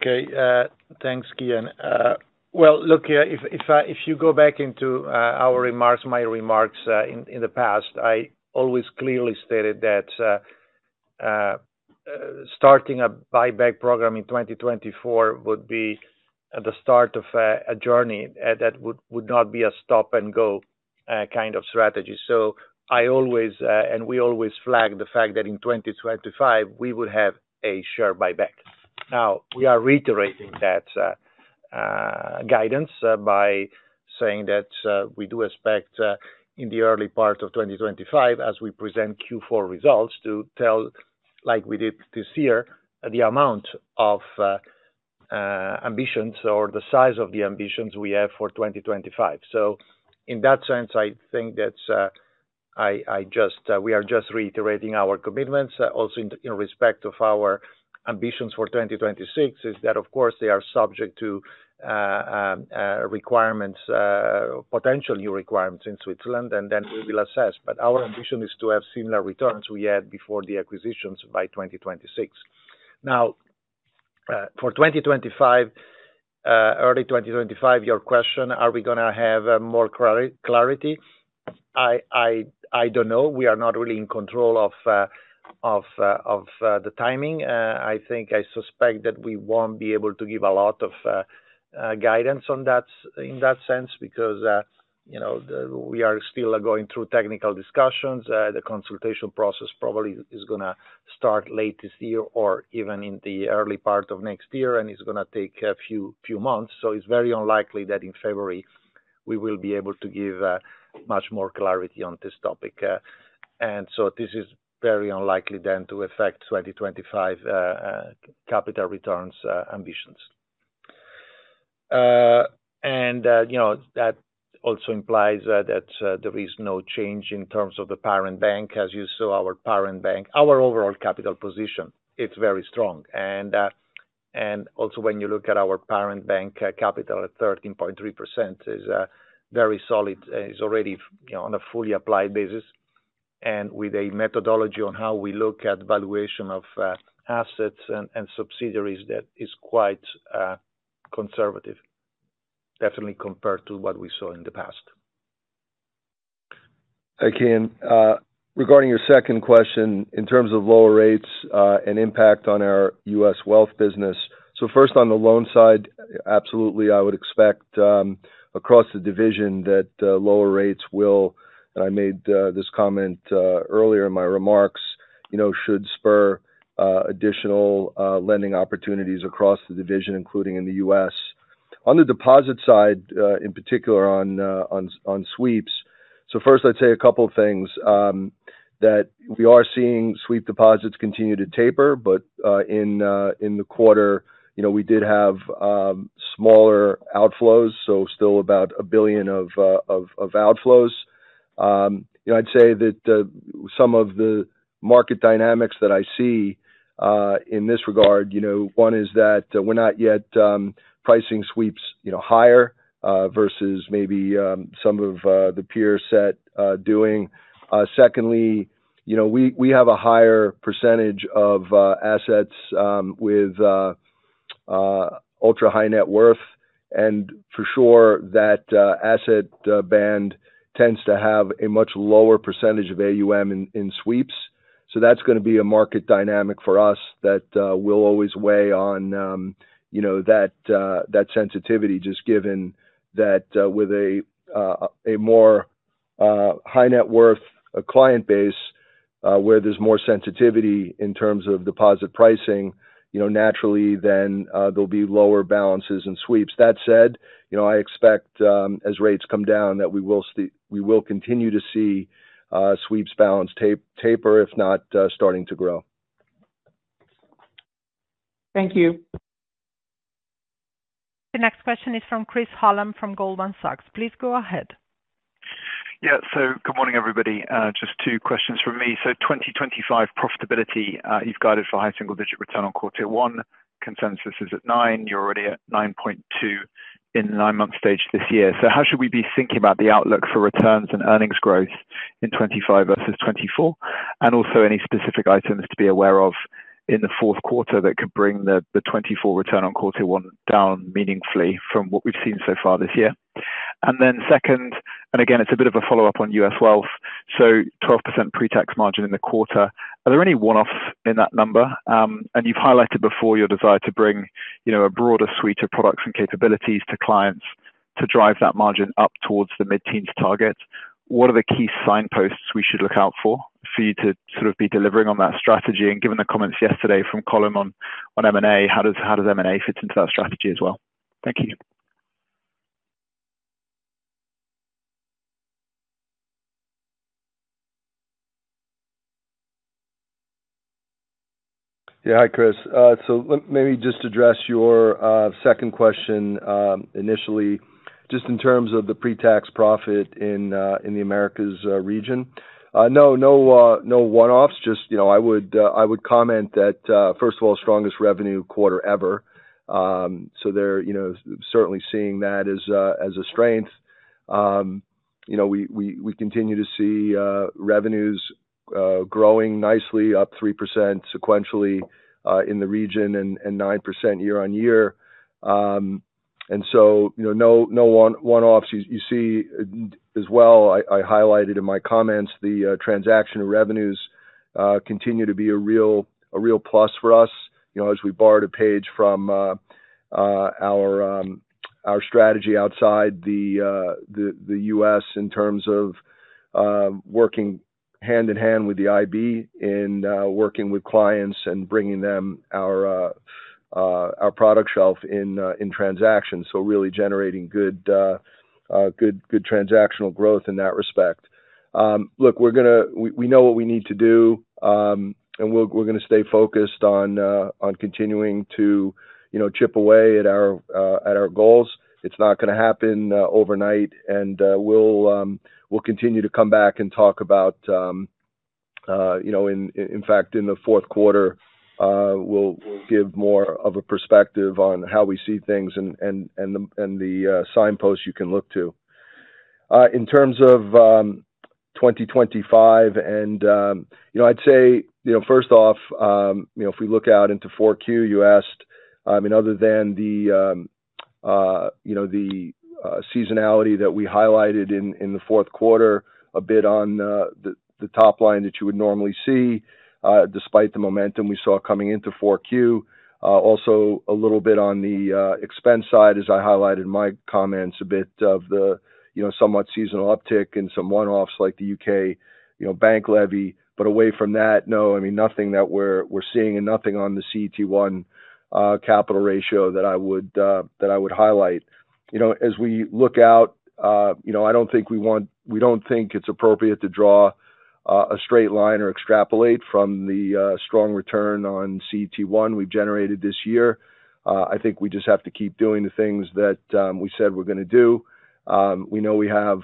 Okay, thanks, Kian. Look, if you go back into my remarks in the past, I always clearly stated that starting a buyback program in 2024 would be the start of a journey that would not be a stop-and-go kind of strategy. So I always, and we always flag the fact that in 2025, we would have a share buyback. Now, we are reiterating that guidance by saying that we do expect in the early part of 2025, as we present Q4 results, to tell, like we did this year, the amount of ambitions or the size of the ambitions we have for 2025. So in that sense, I think that we are just reiterating our commitments, also in respect of our ambitions for 2026. That is, of course, they are subject to requirements, potential new requirements in Switzerland, and then we will assess. But our ambition is to have similar returns we had before the acquisitions by 2026. Now, for 2025, early 2025, your question, are we going to have more clarity? I don't know. We are not really in control of the timing. I think I suspect that we won't be able to give a lot of guidance in that sense because we are still going through technical discussions. The consultation process probably is going to start late this year or even in the early part of next year, and it's going to take a few months. So it's very unlikely that in February, we will be able to give much more clarity on this topic. And so this is very unlikely then to affect 2025 capital returns ambitions. And that also implies that there is no change in terms of the parent bank, as you saw our parent bank. Our overall capital position, it's very strong, and also when you look at our parent bank, capital at 13.3% is very solid, is already on a fully applied basis, and with a methodology on how we look at valuation of assets and subsidiaries, that is quite conservative, definitely compared to what we saw in the past. Okay, and regarding your second question, in terms of lower rates and impact on our U.S. wealth business, so first on the loan side, absolutely, I would expect across the division that lower rates will, and I made this comment earlier in my remarks, should spur additional lending opportunities across the division, including in the U.S. On the deposit side, in particular on sweeps, so first, I'd say a couple of things. That we are seeing sweep deposits continue to taper, but in the quarter, we did have smaller outflows, so still about a billion of outflows. I'd say that some of the market dynamics that I see in this regard, one is that we're not yet pricing sweeps higher versus maybe some of the peers doing. Secondly, we have a higher percentage of assets with ultra-high net worth, and for sure that asset band tends to have a much lower percentage of AUM in sweeps. So that's going to be a market dynamic for us that will always weigh on that sensitivity, just given that with a more high-net-worth client base where there's more sensitivity in terms of deposit pricing, naturally, then there'll be lower balances in sweeps. That said, I expect as rates come down that we will continue to see sweeps balance taper, if not starting to grow. Thank you. The next question is from Chris Hallam from Goldman Sachs. Please go ahead. Good morning, everybody. Just two questions from me. So 2025 profitability, you've guided for high single-digit return on CET1. Consensus is at 9%. You're already at 9.2% in the nine-month stage this year. So how should we be thinking about the outlook for returns and earnings growth in 2025 versus 2024? And also any specific items to be aware of in the fourth quarter that could bring the 2024 return on CET1 down meaningfully from what we've seen so far this year? And then second, and again, it's a bit of a follow-up on U.S. wealth, so 12% pre-tax margin in the quarter. Are there any one-offs in that number? And you've highlighted before your desire to bring a broader suite of products and capabilities to clients to drive that margin up towards the mid-teens target. What are the key signposts we should look out for for you to sort of be delivering on that strategy? And given the comments yesterday from Colm on M&A, how does M&A fit into that strategy as well? Thank you. Hi, Chris. So let me just address your second question initially, just in terms of the pre-tax profit in the Americas region. No, no one-offs. Just, I would comment that, first of all, strongest revenue quarter ever. So they're certainly seeing that as a strength. We continue to see revenues growing nicely, up 3% sequentially in the region and 9% year-on-year. And so no one-offs. You see as well. I highlighted in my comments, the transactional revenues continue to be a real plus for us as we borrowed a page from our strategy outside the U.S. in terms of working hand in hand with the IB in working with clients and bringing them our product shelf in transactions. So really generating good transactional growth in that respect. Look, we know what we need to do, and we're going to stay focused on continuing to chip away at our goals. It's not going to happen overnight, and we'll continue to come back and talk about. In fact, in the fourth quarter, we'll give more of a perspective on how we see things and the signposts you can look to. In terms of 2025, and I'd say, first off, if we look out into 4Q, you asked, I mean, other than the seasonality that we highlighted in the fourth quarter, a bit on the top line that you would normally see despite the momentum we saw coming into 4Q. Also a little bit on the expense side, as I highlighted in my comments, a bit of the somewhat seasonal uptick and some one-offs like the U.K. bank levy. But away from that, no, I mean, nothing that we're seeing and nothing on the CET1 capital ratio that I would highlight. As we look out, I don't think we want we don't think it's appropriate to draw a straight line or extrapolate from the strong return on CET1 we've generated this year. I think we just have to keep doing the things that we said we're going to do. We know we have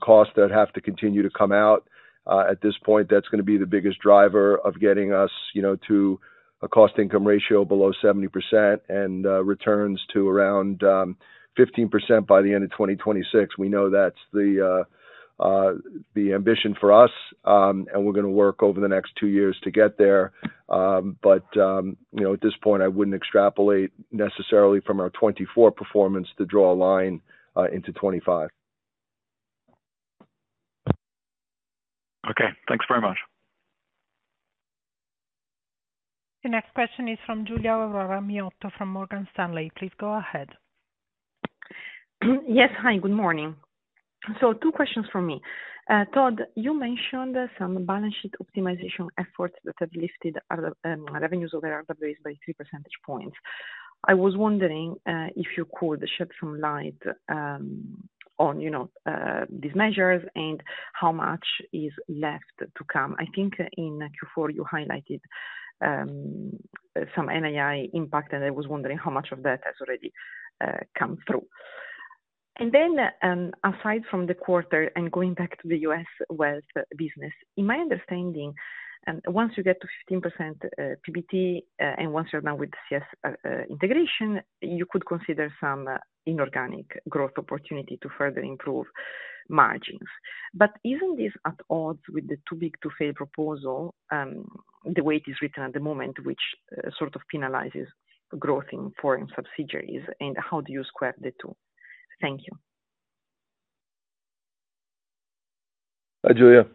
costs that have to continue to come out. At this point, that's going to be the biggest driver of getting us to a cost-income ratio below 70% and returns to around 15% by the end of 2026. We know that's the ambition for us, and we're going to work over the next two years to get there. But at this point, I wouldn't extrapolate necessarily from our 2024 performance to draw a line into 2025. Okay, thanks very much. The next question is from Giulia Aurora Miotto from Morgan Stanley. Please go ahead. Yes, hi, good morning. So two questions for me. Todd, you mentioned some balance sheet optimization efforts that have lifted revenues over RWAs by 3 percentage points. I was wondering if you could shed some light on these measures and how much is left to come. I think in Q4, you highlighted some NII impact, and I was wondering how much of that has already come through. And then aside from the quarter and going back to the U.S. wealth business, in my understanding, once you get to 15% PBT and once you're done with CS integration, you could consider some inorganic growth opportunity to further improve margins. But isn't this at odds with the too-big-to-fail proposal, the way it is written at the moment, which sort of penalizes growth in foreign subsidiaries? And how do you square the two? Thank you. Hi, Giulia.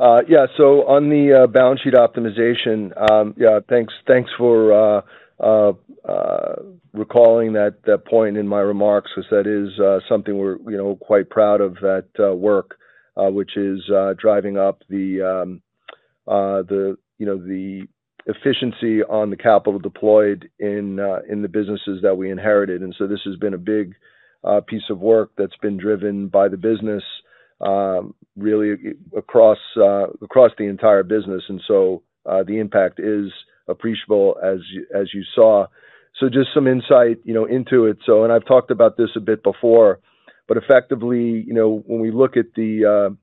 On the balance sheet optimization thanks for recalling that point in my remarks because that is something we're quite proud of, that work, which is driving up the efficiency on the capital deployed in the businesses that we inherited. This has been a big piece of work that's been driven by the business across the entire business. The impact is appreciable, as you saw. Just some insight into it. I've talked about this a bit before, but effectively, when we look at the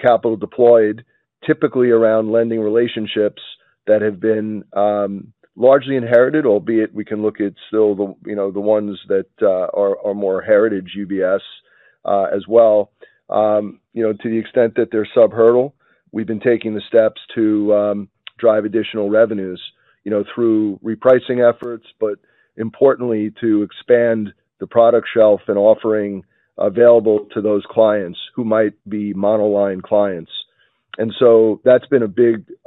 capital deployed, typically around lending relationships that have been largely inherited, albeit we can look at still the ones that are more heritage UBS as well, to the extent that they're sub-hurdle, we've been taking the steps to drive additional revenues through repricing efforts, but importantly, to expand the product shelf and offering available to those clients who might be monoline clients. That's been a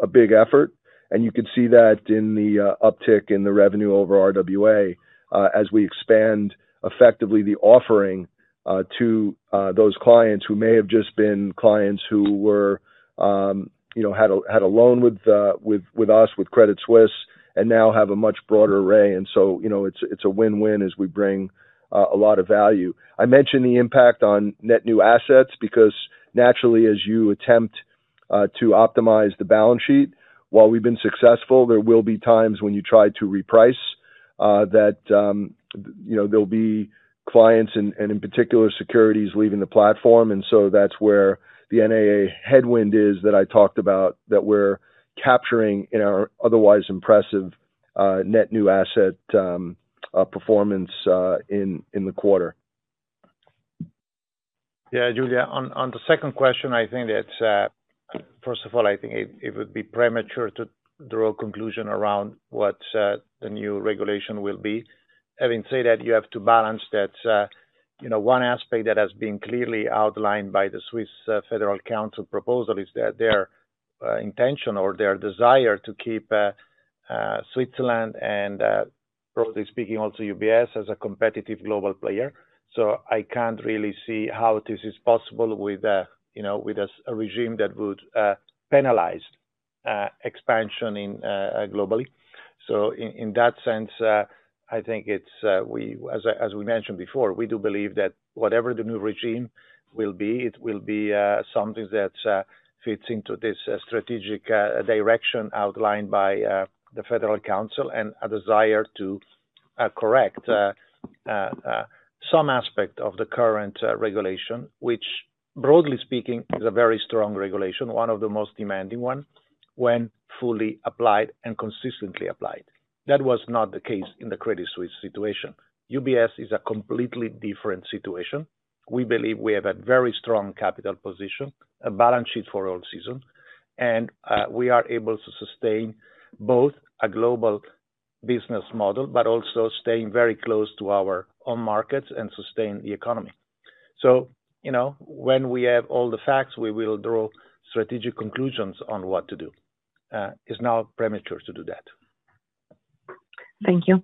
big effort. You can see that in the uptick in the revenue over RWA as we expand effectively the offering to those clients who may have just been clients who had a loan with us, with Credit Suisse, and now have a much broader array. And so it's a win-win as we bring a lot of value. I mentioned the impact on net new assets because naturally, as you attempt to optimize the balance sheet, while we've been successful, there will be times when you try to reprice that there'll be clients and, in particular, securities leaving the platform. And so that's where the NNA headwind is that I talked about, that we're capturing in our otherwise impressive net new asset performance in the quarter. Giulia, on the second question, I think that, first of all, I think it would be premature to draw a conclusion around what the new regulation will be. Having said that, you have to balance that one aspect that has been clearly outlined by the Swiss Federal Council proposal is that their intention or their desire to keep Switzerland and, broadly speaking, also UBS as a competitive global player. So I can't really see how this is possible with a regime that would penalize expansion globally. So in that sense, I think, as we mentioned before, we do believe that whatever the new regime will be, it will be something that fits into this strategic direction outlined by the Federal Council and a desire to correct some aspect of the current regulation, which, broadly speaking, is a very strong regulation, one of the most demanding ones when fully applied and consistently applied. That was not the case in the Credit Suisse situation. UBS is a completely different situation. We believe we have a very strong capital position, a balance sheet for all seasons, and we are able to sustain both a global business model, but also staying very close to our own markets and sustain the economy. So when we have all the facts, we will draw strategic conclusions on what to do. It's now premature to do that. Thank you.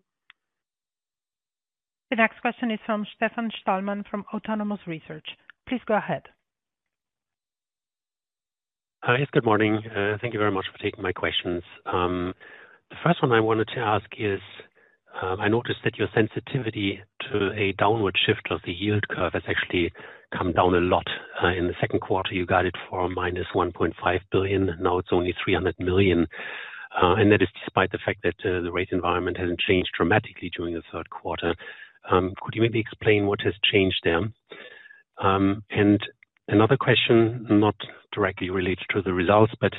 The next question is from Stefan Stalmann from Autonomous Research. Please go ahead. Hi, good morning. Thank you very much for taking my questions. The first one I wanted to ask is, I noticed that your sensitivity to a downward shift of the yield curve has actually come down a lot. In the second quarter, you guided for -1.5 billion. Now it's only 300 million. And that is despite the fact that the rate environment hasn't changed dramatically during the third quarter. Could you maybe explain what has changed there? And another question, not directly related to the results, but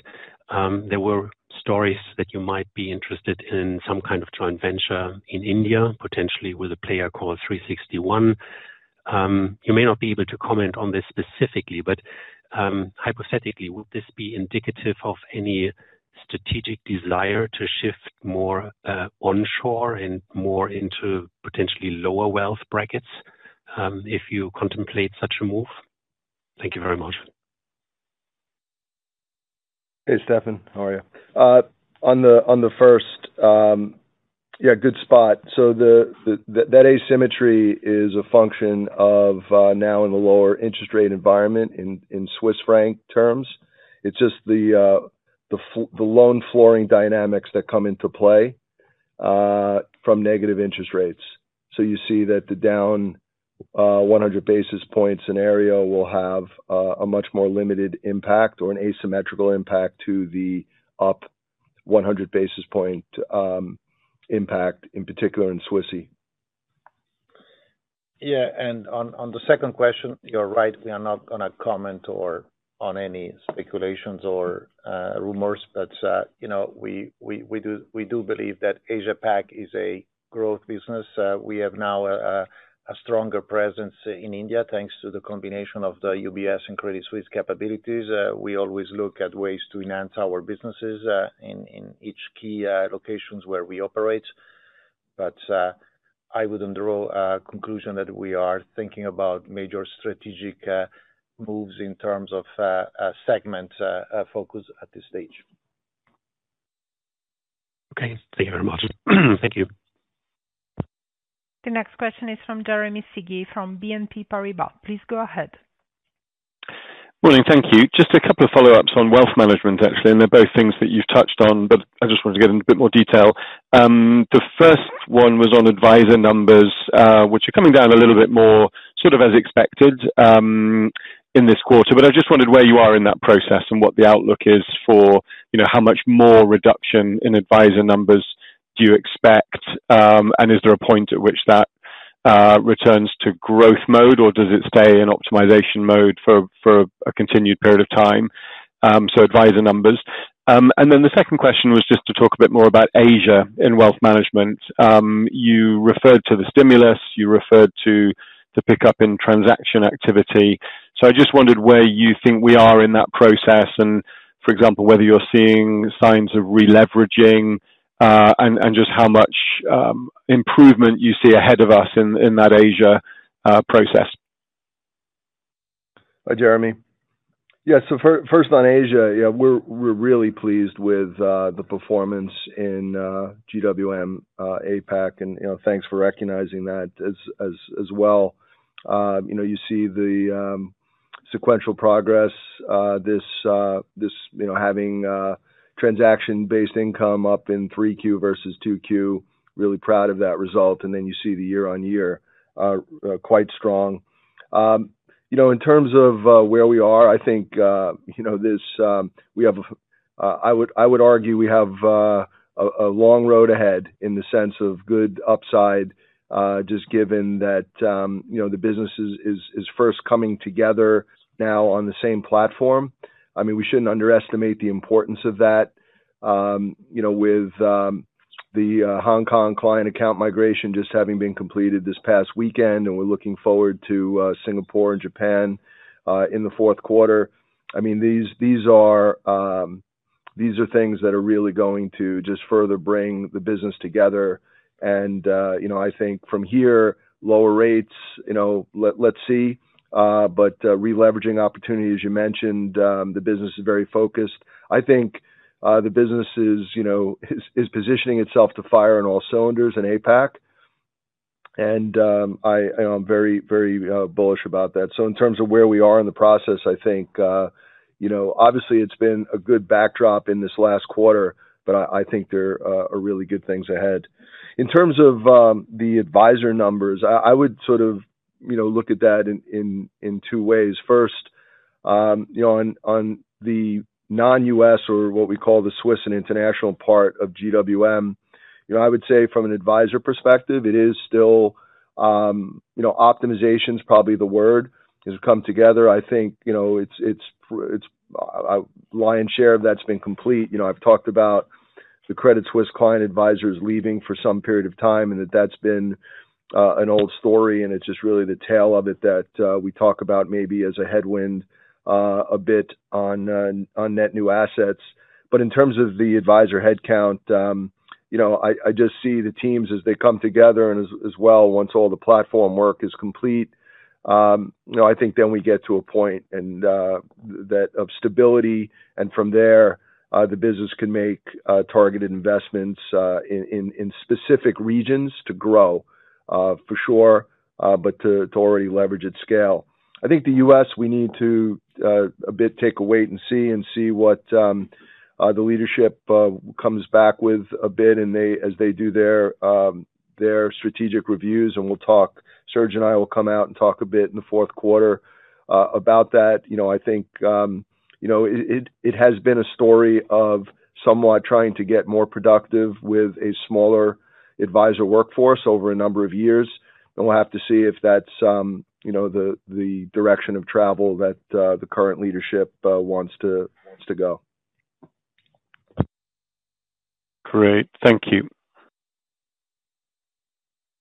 there were stories that you might be interested in some kind of joint venture in India, potentially with a player called 360 ONE. You may not be able to comment on this specifically, but hypothetically, would this be indicative of any strategic desire to shift more onshore and more into potentially lower wealth brackets if you contemplate such a move? Thank you very much. Hey, Stefan, how are you? On the firstNgood spot. So that asymmetry is a function of now in the lower interest rate environment in Swiss franc terms. It's just the loan flooring dynamics that come into play from negative interest rates. So you see that the down 100 basis points scenario will have a much more limited impact or an asymmetrical impact to the up 100 basis point impact, in particular in Swissie. On the second question, you're right. We are not going to comment on any speculations or rumors, but we do believe that Asia Pac is a growth business. We have now a stronger presence in India thanks to the combination of the UBS and Credit Suisse capabilities. We always look at ways to enhance our businesses in each key location where we operate. But I wouldn't draw a conclusion that we are thinking about major strategic moves in terms of segment focus at this stage. Okay, thank you very much. Thank you. The next question is from Jeremy Sigee from BNP Paribas. Please go ahead. Morning, thank you. Just a couple of follow-ups on Wealth Management, actually. And they're both things that you've touched on, but I just wanted to get into a bit more detail. The first one was on advisor numbers, which are coming down a little bit more, sort of as expected in this quarter. But I just wondered where you are in that process and what the outlook is for how much more reduction in advisor numbers do you expect? And is there a point at which that returns to growth mode, or does it stay in optimization mode for a continued period of time? So advisor numbers. And then the second question was just to talk a bit more about Asia in Wealth Management. You referred to the stimulus. You referred to the pickup in transaction activity. So I just wondered where you think we are in that process and, for example, whether you're seeing signs of re-leveraging and just how much improvement you see ahead of us in that Asia process. Hi, Jeremy. First on Asia, we're really pleased with the performance in GWM APAC, and thanks for recognizing that as well. You see the sequential progress, this having transaction-based income up in 3Q versus 2Q. Really proud of that result. And then you see the year-on-year quite strong. In terms of where we are, I think we have a, I would argue we have a long road ahead in the sense of good upside, just given that the business is first coming together now on the same platform. I mean, we shouldn't underestimate the importance of that with the Hong Kong client account migration just having been completed this past weekend, and we're looking forward to Singapore and Japan in the fourth quarter. I mean, these are things that are really going to just further bring the business together. And I think from here, lower rates, let's see. But re-leveraging opportunity, as you mentioned, the business is very focused. I think the business is positioning itself to fire on all cylinders in APAC, and I'm very, very bullish about that. So in terms of where we are in the process, I think obviously it's been a good backdrop in this last quarter, but I think there are really good things ahead. In terms of the advisor numbers, I would sort of look at that in two ways. First, on the non-US or what we call the Swiss and international part of GWM, I would say from an advisor perspective, it is still optimization is probably the word. It has come together. I think it's a lion's share of that's been complete. I've talked about the Credit Suisse client advisors leaving for some period of time and that that's been an old story, and it's just really the tail of it that we talk about maybe as a headwind a bit on net new assets. But in terms of the advisor headcount, I just see the teams as they come together and as well, once all the platform work is complete, I think then we get to a point of stability. And from there, the business can make targeted investments in specific regions to grow, for sure, but to already leverage at scale. I think the US, we need to a bit take a wait and see and see what the leadership comes back with a bit as they do their strategic reviews. And we'll talk. Serge and I will come out and talk a bit in the fourth quarter about that. I think it has been a story of somewhat trying to get more productive with a smaller advisor workforce over a number of years, and we'll have to see if that's the direction of travel that the current leadership wants to go. Great. Thank you.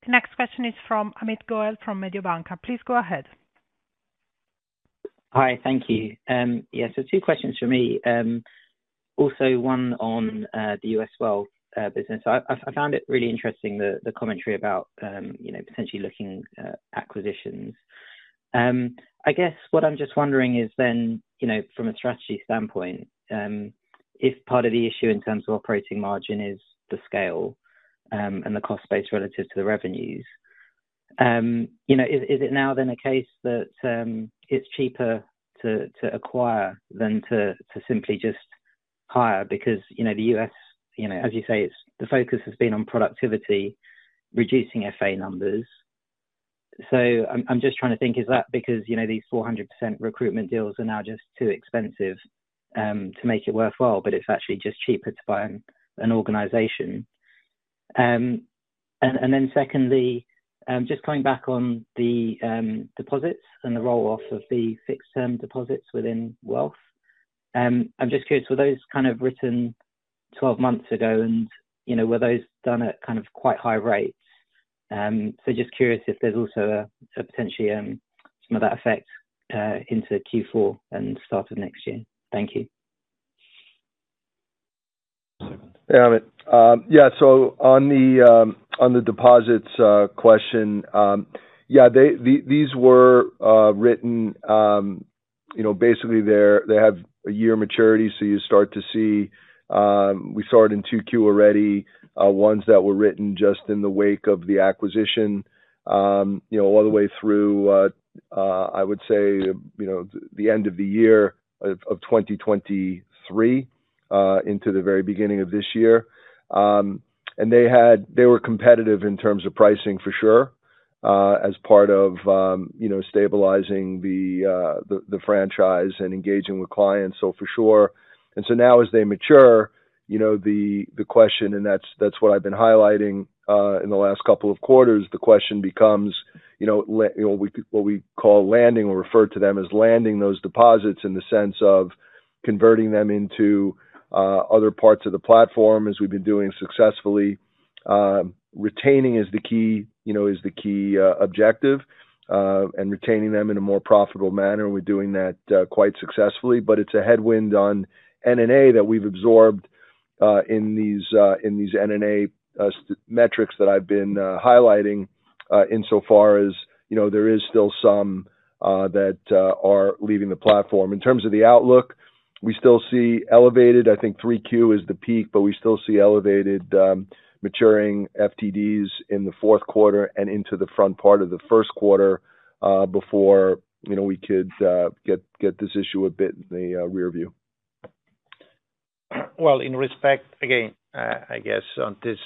The next question is from Amit Goel from Mediobanca. Please go ahead. Hi, thank you. Two questions for me. Also, one on the US wealth business. I found it really interesting, the commentary about potentially looking at acquisitions. I guess what I'm just wondering is then, from a strategy standpoint, if part of the issue in terms of operating margin is the scale and the cost base relative to the revenues, is it now then a case that it's cheaper to acquire than to simply just hire? Because the US, as you say, the focus has been on productivity, reducing FA numbers. So I'm just trying to think, is that because these 400% recruitment deals are now just too expensive to make it worthwhile, but it's actually just cheaper to buy an organization? And then secondly, just coming back on the deposits and the roll-off of the fixed-term deposits within wealth, I'm just curious, were those kind of written 12 months ago, and were those done at kind of quite high rates? Just curious if there's also potentially some of that effect into Q4 and start of next year. Thank you. On the deposits question these were written. Basically, they have a year maturity, so you start to see, we saw it in 2Q already, ones that were written just in the wake of the acquisition all the way through, I would say, the end of the year of 2023 into the very beginning of this year. And they were competitive in terms of pricing, for sure, as part of stabilizing the franchise and engaging with clients, so for sure. And so now, as they mature, the question, and that's what I've been highlighting in the last couple of quarters, the question becomes what we call landing or refer to them as landing those deposits in the sense of converting them into other parts of the platform, as we've been doing successfully. Retaining is the key objective and retaining them in a more profitable manner. We're doing that quite successfully. But it's a headwind on NNA that we've absorbed in these NNA metrics that I've been highlighting insofar as there is still some that are leaving the platform. In terms of the outlook, we still see elevated, I think 3Q is the peak, but we still see elevated maturing FTDs in the fourth quarter and into the front part of the first quarter before we could get this issue a bit in the rearview. Well, in respect, again, I guess on this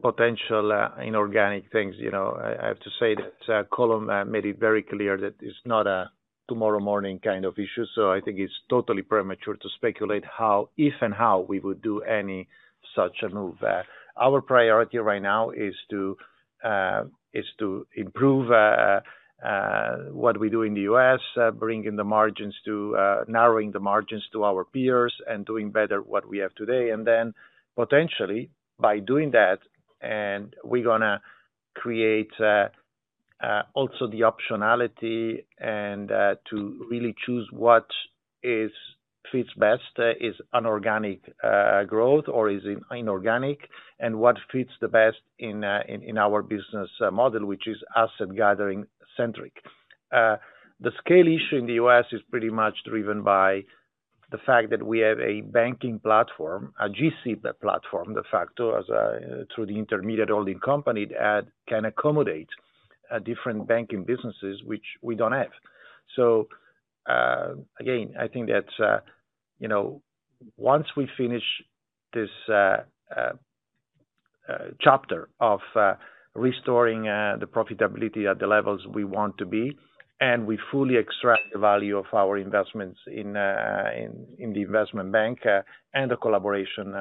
potential inorganic things, I have to say that Colm made it very clear that it's not a tomorrow morning kind of issue. So I think it's totally premature to speculate how, if and how, we would do any such a move. Our priority right now is to improve what we do in the US, bringing the margins to narrowing the margins to our peers and doing better what we have today. And then potentially, by doing that, we're going to create also the optionality to really choose what fits best: is unorganic growth or is inorganic, and what fits the best in our business model, which is asset-gathering-centric. The scale issue in the U.S. is pretty much driven by the fact that we have a banking platform, a GC platform, de facto, through the intermediate holding company that can accommodate different banking businesses, which we don't have. So again, I think that once we finish this chapter of restoring the profitability at the levels we want to be and we fully extract the value of our investments in the Investment Bank and the collaboration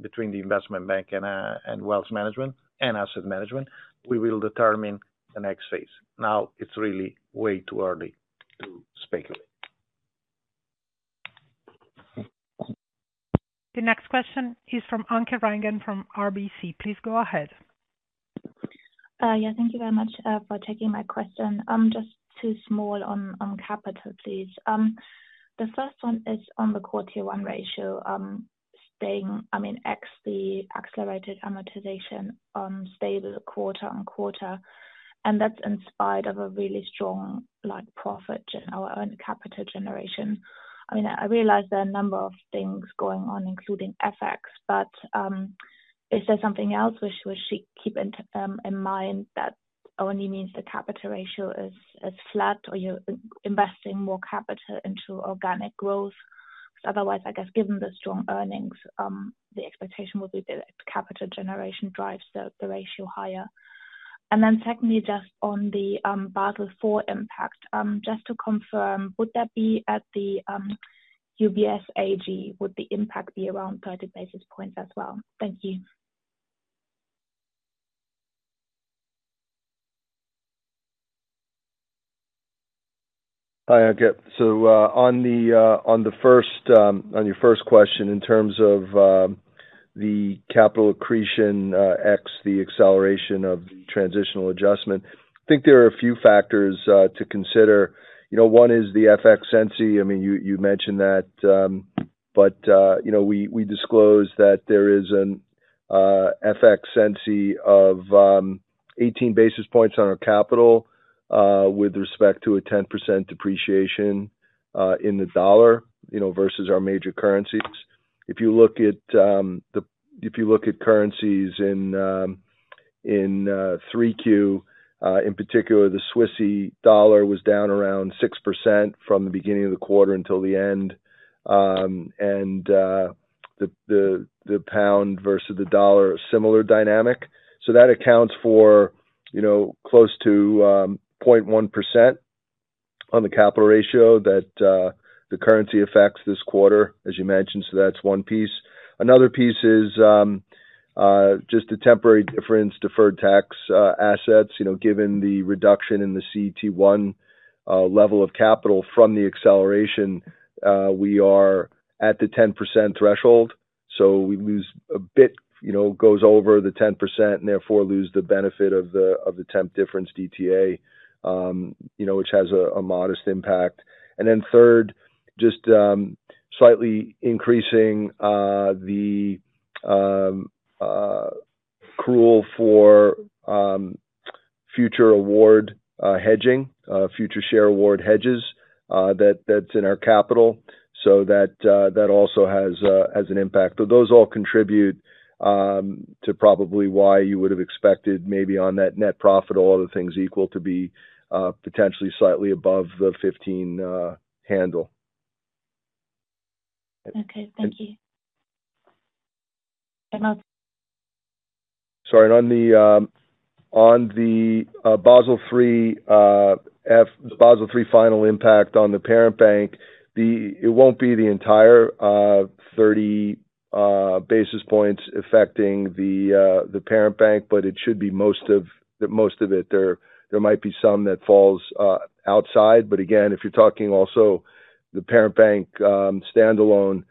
between the Investment Bank and Wealth Management and Asset Management, we will determine the next phase. Now, it's really way too early to speculate. The next question is from Anke Reingen from RBC. Please go ahead. Thank you very much for taking my question. Just two small ones on capital, please. The first one is on the CET1 ratio staying absent the accelerated amortization, stable quarter-on-quarter. And that's in spite of a really strong profit and our own capital generation. I realize there are a number of things going on, including FX, but is there something else we should keep in mind that only means the capital ratio is flat or you're investing more capital into organic growth? Otherwise, I guess given the strong earnings, the expectation would be that capital generation drives the ratio higher. And then secondly, just on the Basel IV impact, just to confirm, would that be at the UBS AG? Would the impact be around 30 basis points as well? Thank you. Hi, Anke. On the first question, in terms of the capital accretion and the acceleration of the transitional adjustment, I think there are a few factors to consider. One is the FX sensitivity. I mean, you mentioned that, but we disclosed that there is an FX sensitivity of 18 basis points on our capital with respect to a 10% depreciation in the dollar versus our major currencies. If you look at currencies in 3Q, in particular, the Swissy was down around 6% from the beginning of the quarter until the end. And the pound versus the dollar, a similar dynamic. So that accounts for close to 0.1% on the capital ratio that the currency affects this quarter, as you mentioned. So that's one piece. Another piece is just the temporary difference deferred tax assets. Given the reduction in the CET1 level of capital from the acceleration, we are at the 10% threshold. So we lose a bit, goes over the 10% and therefore lose the benefit of the temporary difference DTA, which has a modest impact. And then third, just slightly increasing the RWA for future award hedging, future share award hedges that's in our capital. So that also has an impact. But those all contribute to probably why you would have expected maybe on that net profit, all other things equal to be potentially slightly above the 15 handle. Okay. Thank you. Sorry. And on the Basel III final impact on the parent bank, it won't be the entire 30 basis points affecting the parent bank, but it should be most of it. There might be some that falls outside. But again, if you're talking also the parent bank standalone,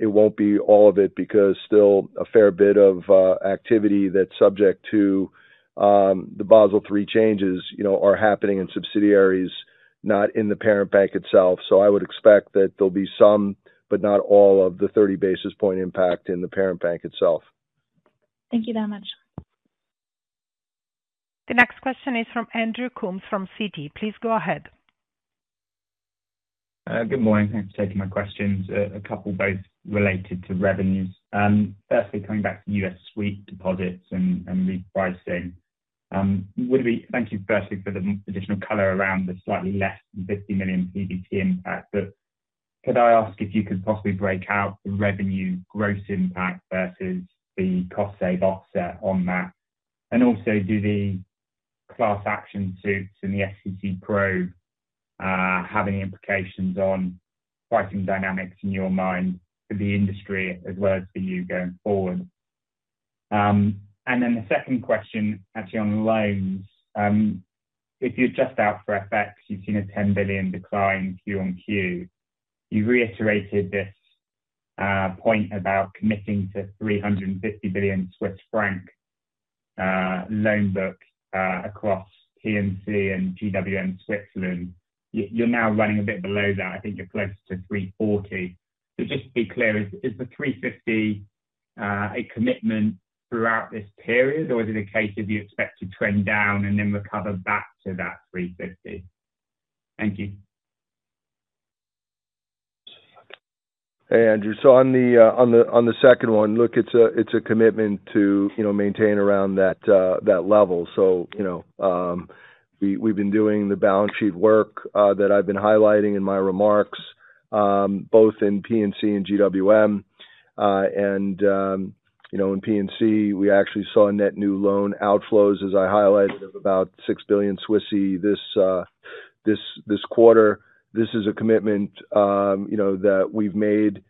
it won't be all of it because still a fair bit of activity that's subject to the Basel III changes are happening in subsidiaries, not in the parent bank itself. So I would expect that there'll be some, but not all of the 30 basis point impact in the parent bank itself. Thank you very much. The next question is from Andrew Coombs from Citi. Please go ahead. Good morning. Thanks for taking my questions. A couple both related to revenues. Firstly, coming back to US sweep deposits and repricing, thank you firstly for the additional color around the slightly less than $50 million PBT impact. But could I ask if you could possibly break out the revenue gross impact versus the cost-save offset on that? And also, do the class action suits and the SEC probe have any implications on pricing dynamics in your mind for the industry as well as for you going forward? And then the second question, actually on loans, if you're just out for FX, you've seen a 10 billion decline QoQ. You reiterated this point about committing to 350 billion Swiss franc loan book across P&C and GWM Switzerland. You're now running a bit below that. I think you're close to 340. So just to be clear, is the 350 a commitment throughout this period, or is it a case of you expect to trend down and then recover back to that 350? Thank you. Hey, Andrew. So on the second one, look, it's a commitment to maintain around that level. So we've been doing the balance sheet work that I've been highlighting in my remarks, both in P&C and GWM. And in P&C, we actually saw net new loan outflows, as I highlighted, of about 6 billion this quarter. This is a commitment that we've made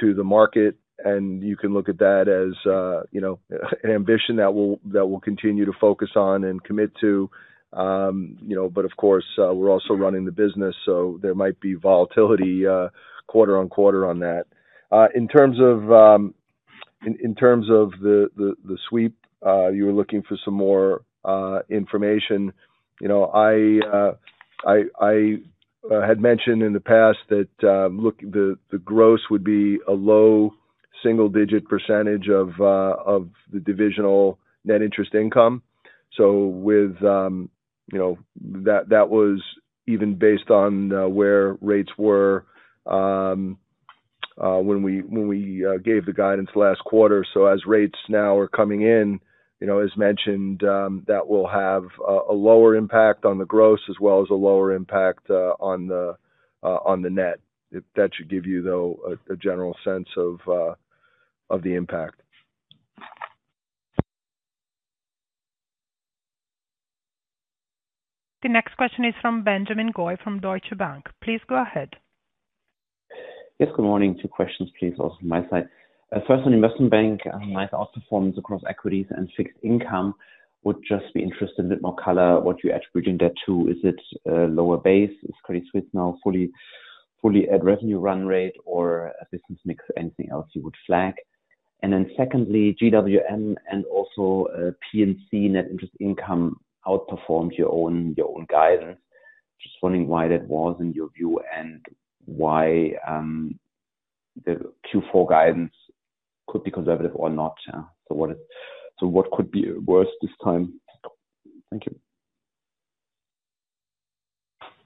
to the market, and you can look at that as an ambition that we'll continue to focus on and commit to. But of course, we're also running the business, so there might be volatility quarter on quarter on that. In terms of the sweep, you were looking for some more information. I had mentioned in the past that the gross would be a low single-digit % of the divisional net interest income. So that was even based on where rates were when we gave the guidance last quarter. So as rates now are coming in, as mentioned, that will have a lower impact on the gross as well as a lower impact on the net. That should give you, though, a general sense of the impact. The next question is from Benjamin Goy from Deutsche Bank. Please go ahead. Yes, good morning. Two questions, please, also from my side. First, on Investment Bank, nice outperformance across equities and fixed income. Would just be interested in a bit more color, what you're attributing that to. Is it lower base? Is Credit Suisse now fully at revenue run rate, or a business mix? Anything else you would flag? And then secondly, GWM and also P&C net interest income outperformed your own guidance. Just wondering why that was in your view and why the Q4 guidance could be conservative or not. So what could be worse this time? Thank you.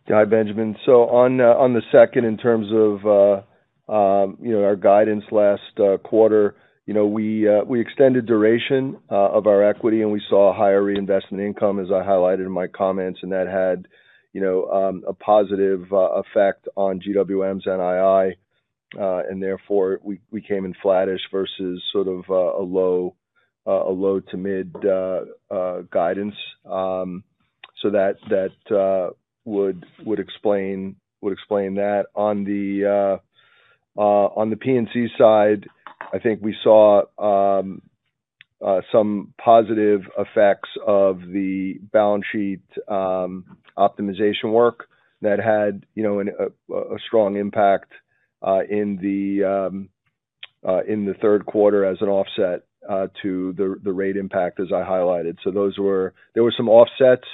Hi, Benjamin. On the second, in terms of our guidance last quarter, we extended duration of our equity, and we saw a higher reinvestment income, as I highlighted in my comments, and that had a positive effect on GWM's NII. And therefore, we came in flattish versus sort of a low to mid guidance. That would explain that. On the P&C side, I think we saw some positive effects of the balance sheet optimization work that had a strong impact in the third quarter as an offset to the rate impact, as I highlighted. There were some offsets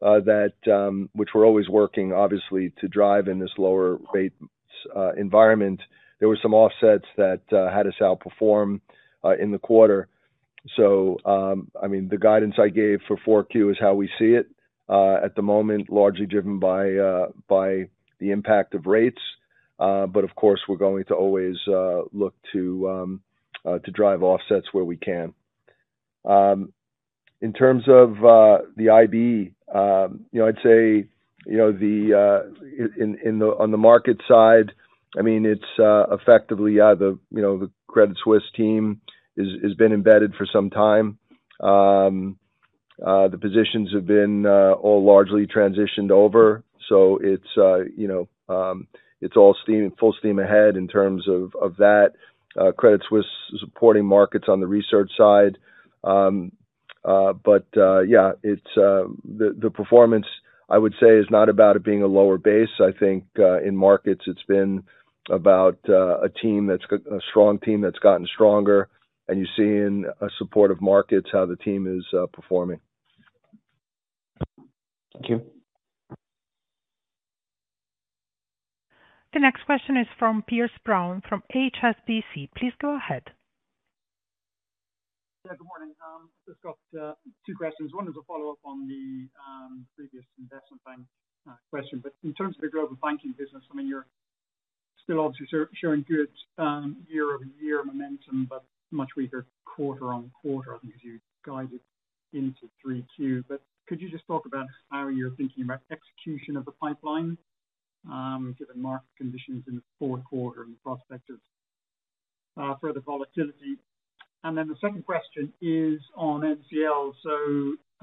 which were always working, obviously, to drive in this lower rate environment. There were some offsets that had us outperform in the quarter. I mean, the guidance I gave for 4Q is how we see it at the moment, largely driven by the impact of rates. But of course, we're going to always look to drive offsets where we can. In terms of the IB, I'd say on the market side, I mean, it's effectively the Credit Suisse team has been embedded for some time. The positions have been all largely transitioned over. So it's all full steam ahead in terms of that. Credit Suisse is supporting markets on the research side. The performance, I would say, is not about it being a lower base. I think in markets, it's been about a strong team that's gotten stronger, and you see in supportive markets how the team is performing. Thank you. The next question is from Piers Brown from HSBC. Please go ahead. Good morning. I just got two questions. One is a follow-up on the previous Investment Bank question. But in terms of the Global Banking business, I mean, you're still obviously showing good year-over-year momentum, but much weaker quarter-on-quarter, I think, as you guided into 3Q. But could you just talk about how you're thinking about execution of the pipeline given market conditions in the fourth quarter and the prospect of further volatility? Then the second question is on NCL.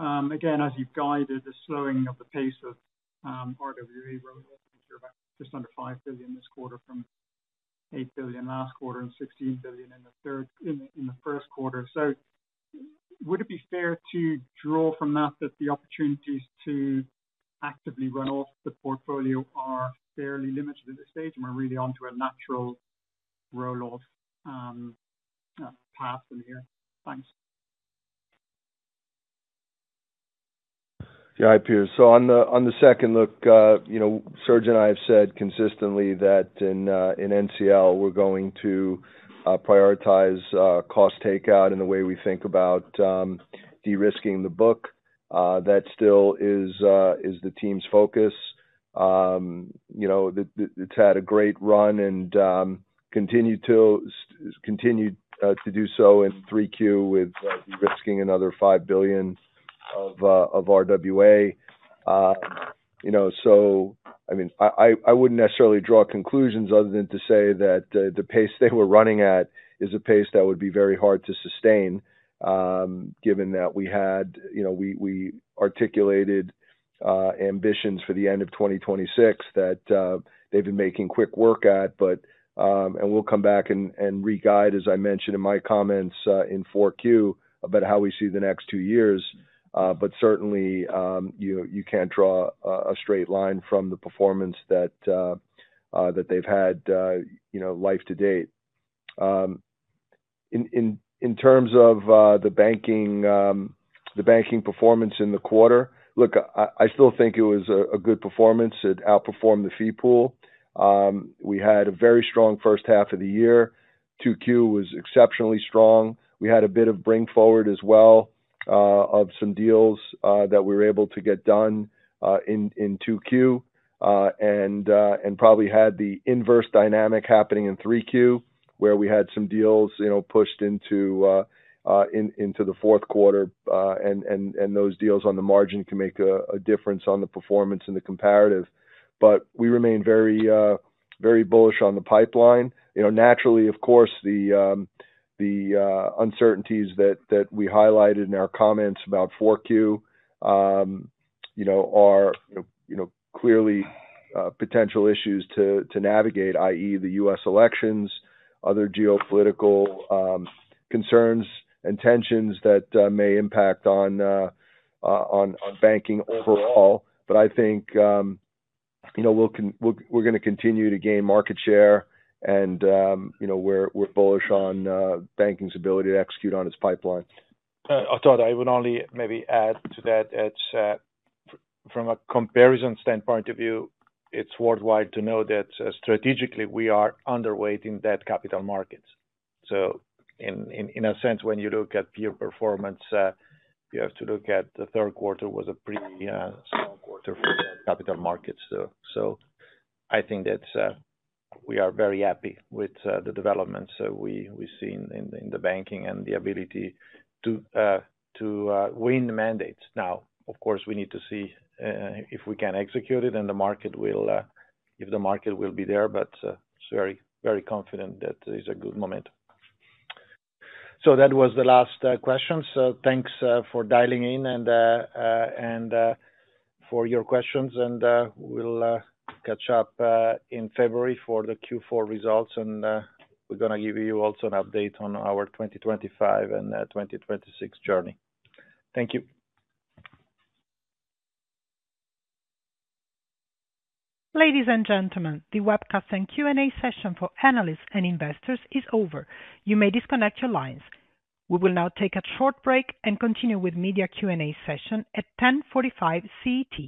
As you've guided the slowing of the pace of RWA, we're looking to just under 5 billion this quarter from 8 billion last quarter and 16 billion in the first quarter. So would it be fair to draw from that that the opportunities to actively run off the portfolio are fairly limited at this stage and we're really onto a natural roll-off path from here? Thanks. Hi, Piers. So on the second look, Serge and I have said consistently that in NCL, we're going to prioritize cost takeout in the way we think about de-risking the book. That still is the team's focus. It's had a great run and continued to do so in 3Q with de-risking another 5 billion of RWA. So I mean, I wouldn't necessarily draw conclusions other than to say that the pace they were running at is a pace that would be very hard to sustain given that we articulated ambitions for the end of 2026 that they've been making quick work at. And we'll come back and re-guide, as I mentioned in my comments in 4Q, about how we see the next two years. But certainly, you can't draw a straight line from the performance that they've had to date. In terms of the banking performance in the quarter, look, I still think it was a good performance. It outperformed the fee pool. We had a very strong first half of the year. 2Q was exceptionally strong. We had a bit of bring forward as well of some deals that we were able to get done in 2Q and probably had the inverse dynamic happening in 3Q where we had some deals pushed into the fourth quarter, and those deals on the margin can make a difference on the performance and the comparative, but we remain very bullish on the pipeline. Naturally, of course, the uncertainties that we highlighted in our comments about 4Q are clearly potential issues to navigate, i.e., the U.S. elections, other geopolitical concerns, and tensions that may impact on banking overall. But I think we're going to continue to gain market share, and we're bullish on banking's ability to execute on its pipeline. I thought I would only maybe add to that. From a comparison standpoint of view, it's worthwhile to know that strategically we are underweighting that capital markets. So in a sense, when you look at peer performance, you have to look at the third quarter was a pretty strong quarter for capital markets. So I think that we are very happy with the developments we've seen in the banking and the ability to win mandates. Now, of course, we need to see if we can execute it and if the market will be there, but it's very confident that it's a good moment. So that was the last question. So thanks for dialing in and for your questions. And we'll catch up in February for the Q4 results, and we're going to give you also an update on our 2025 and 2026 journey. Thank you. Ladies and gentlemen, the webcast and Q&A session for analysts and investors is over. You may disconnect your lines. We will now take a short break and continue with media Q&A session at 10:45 A.M. CET.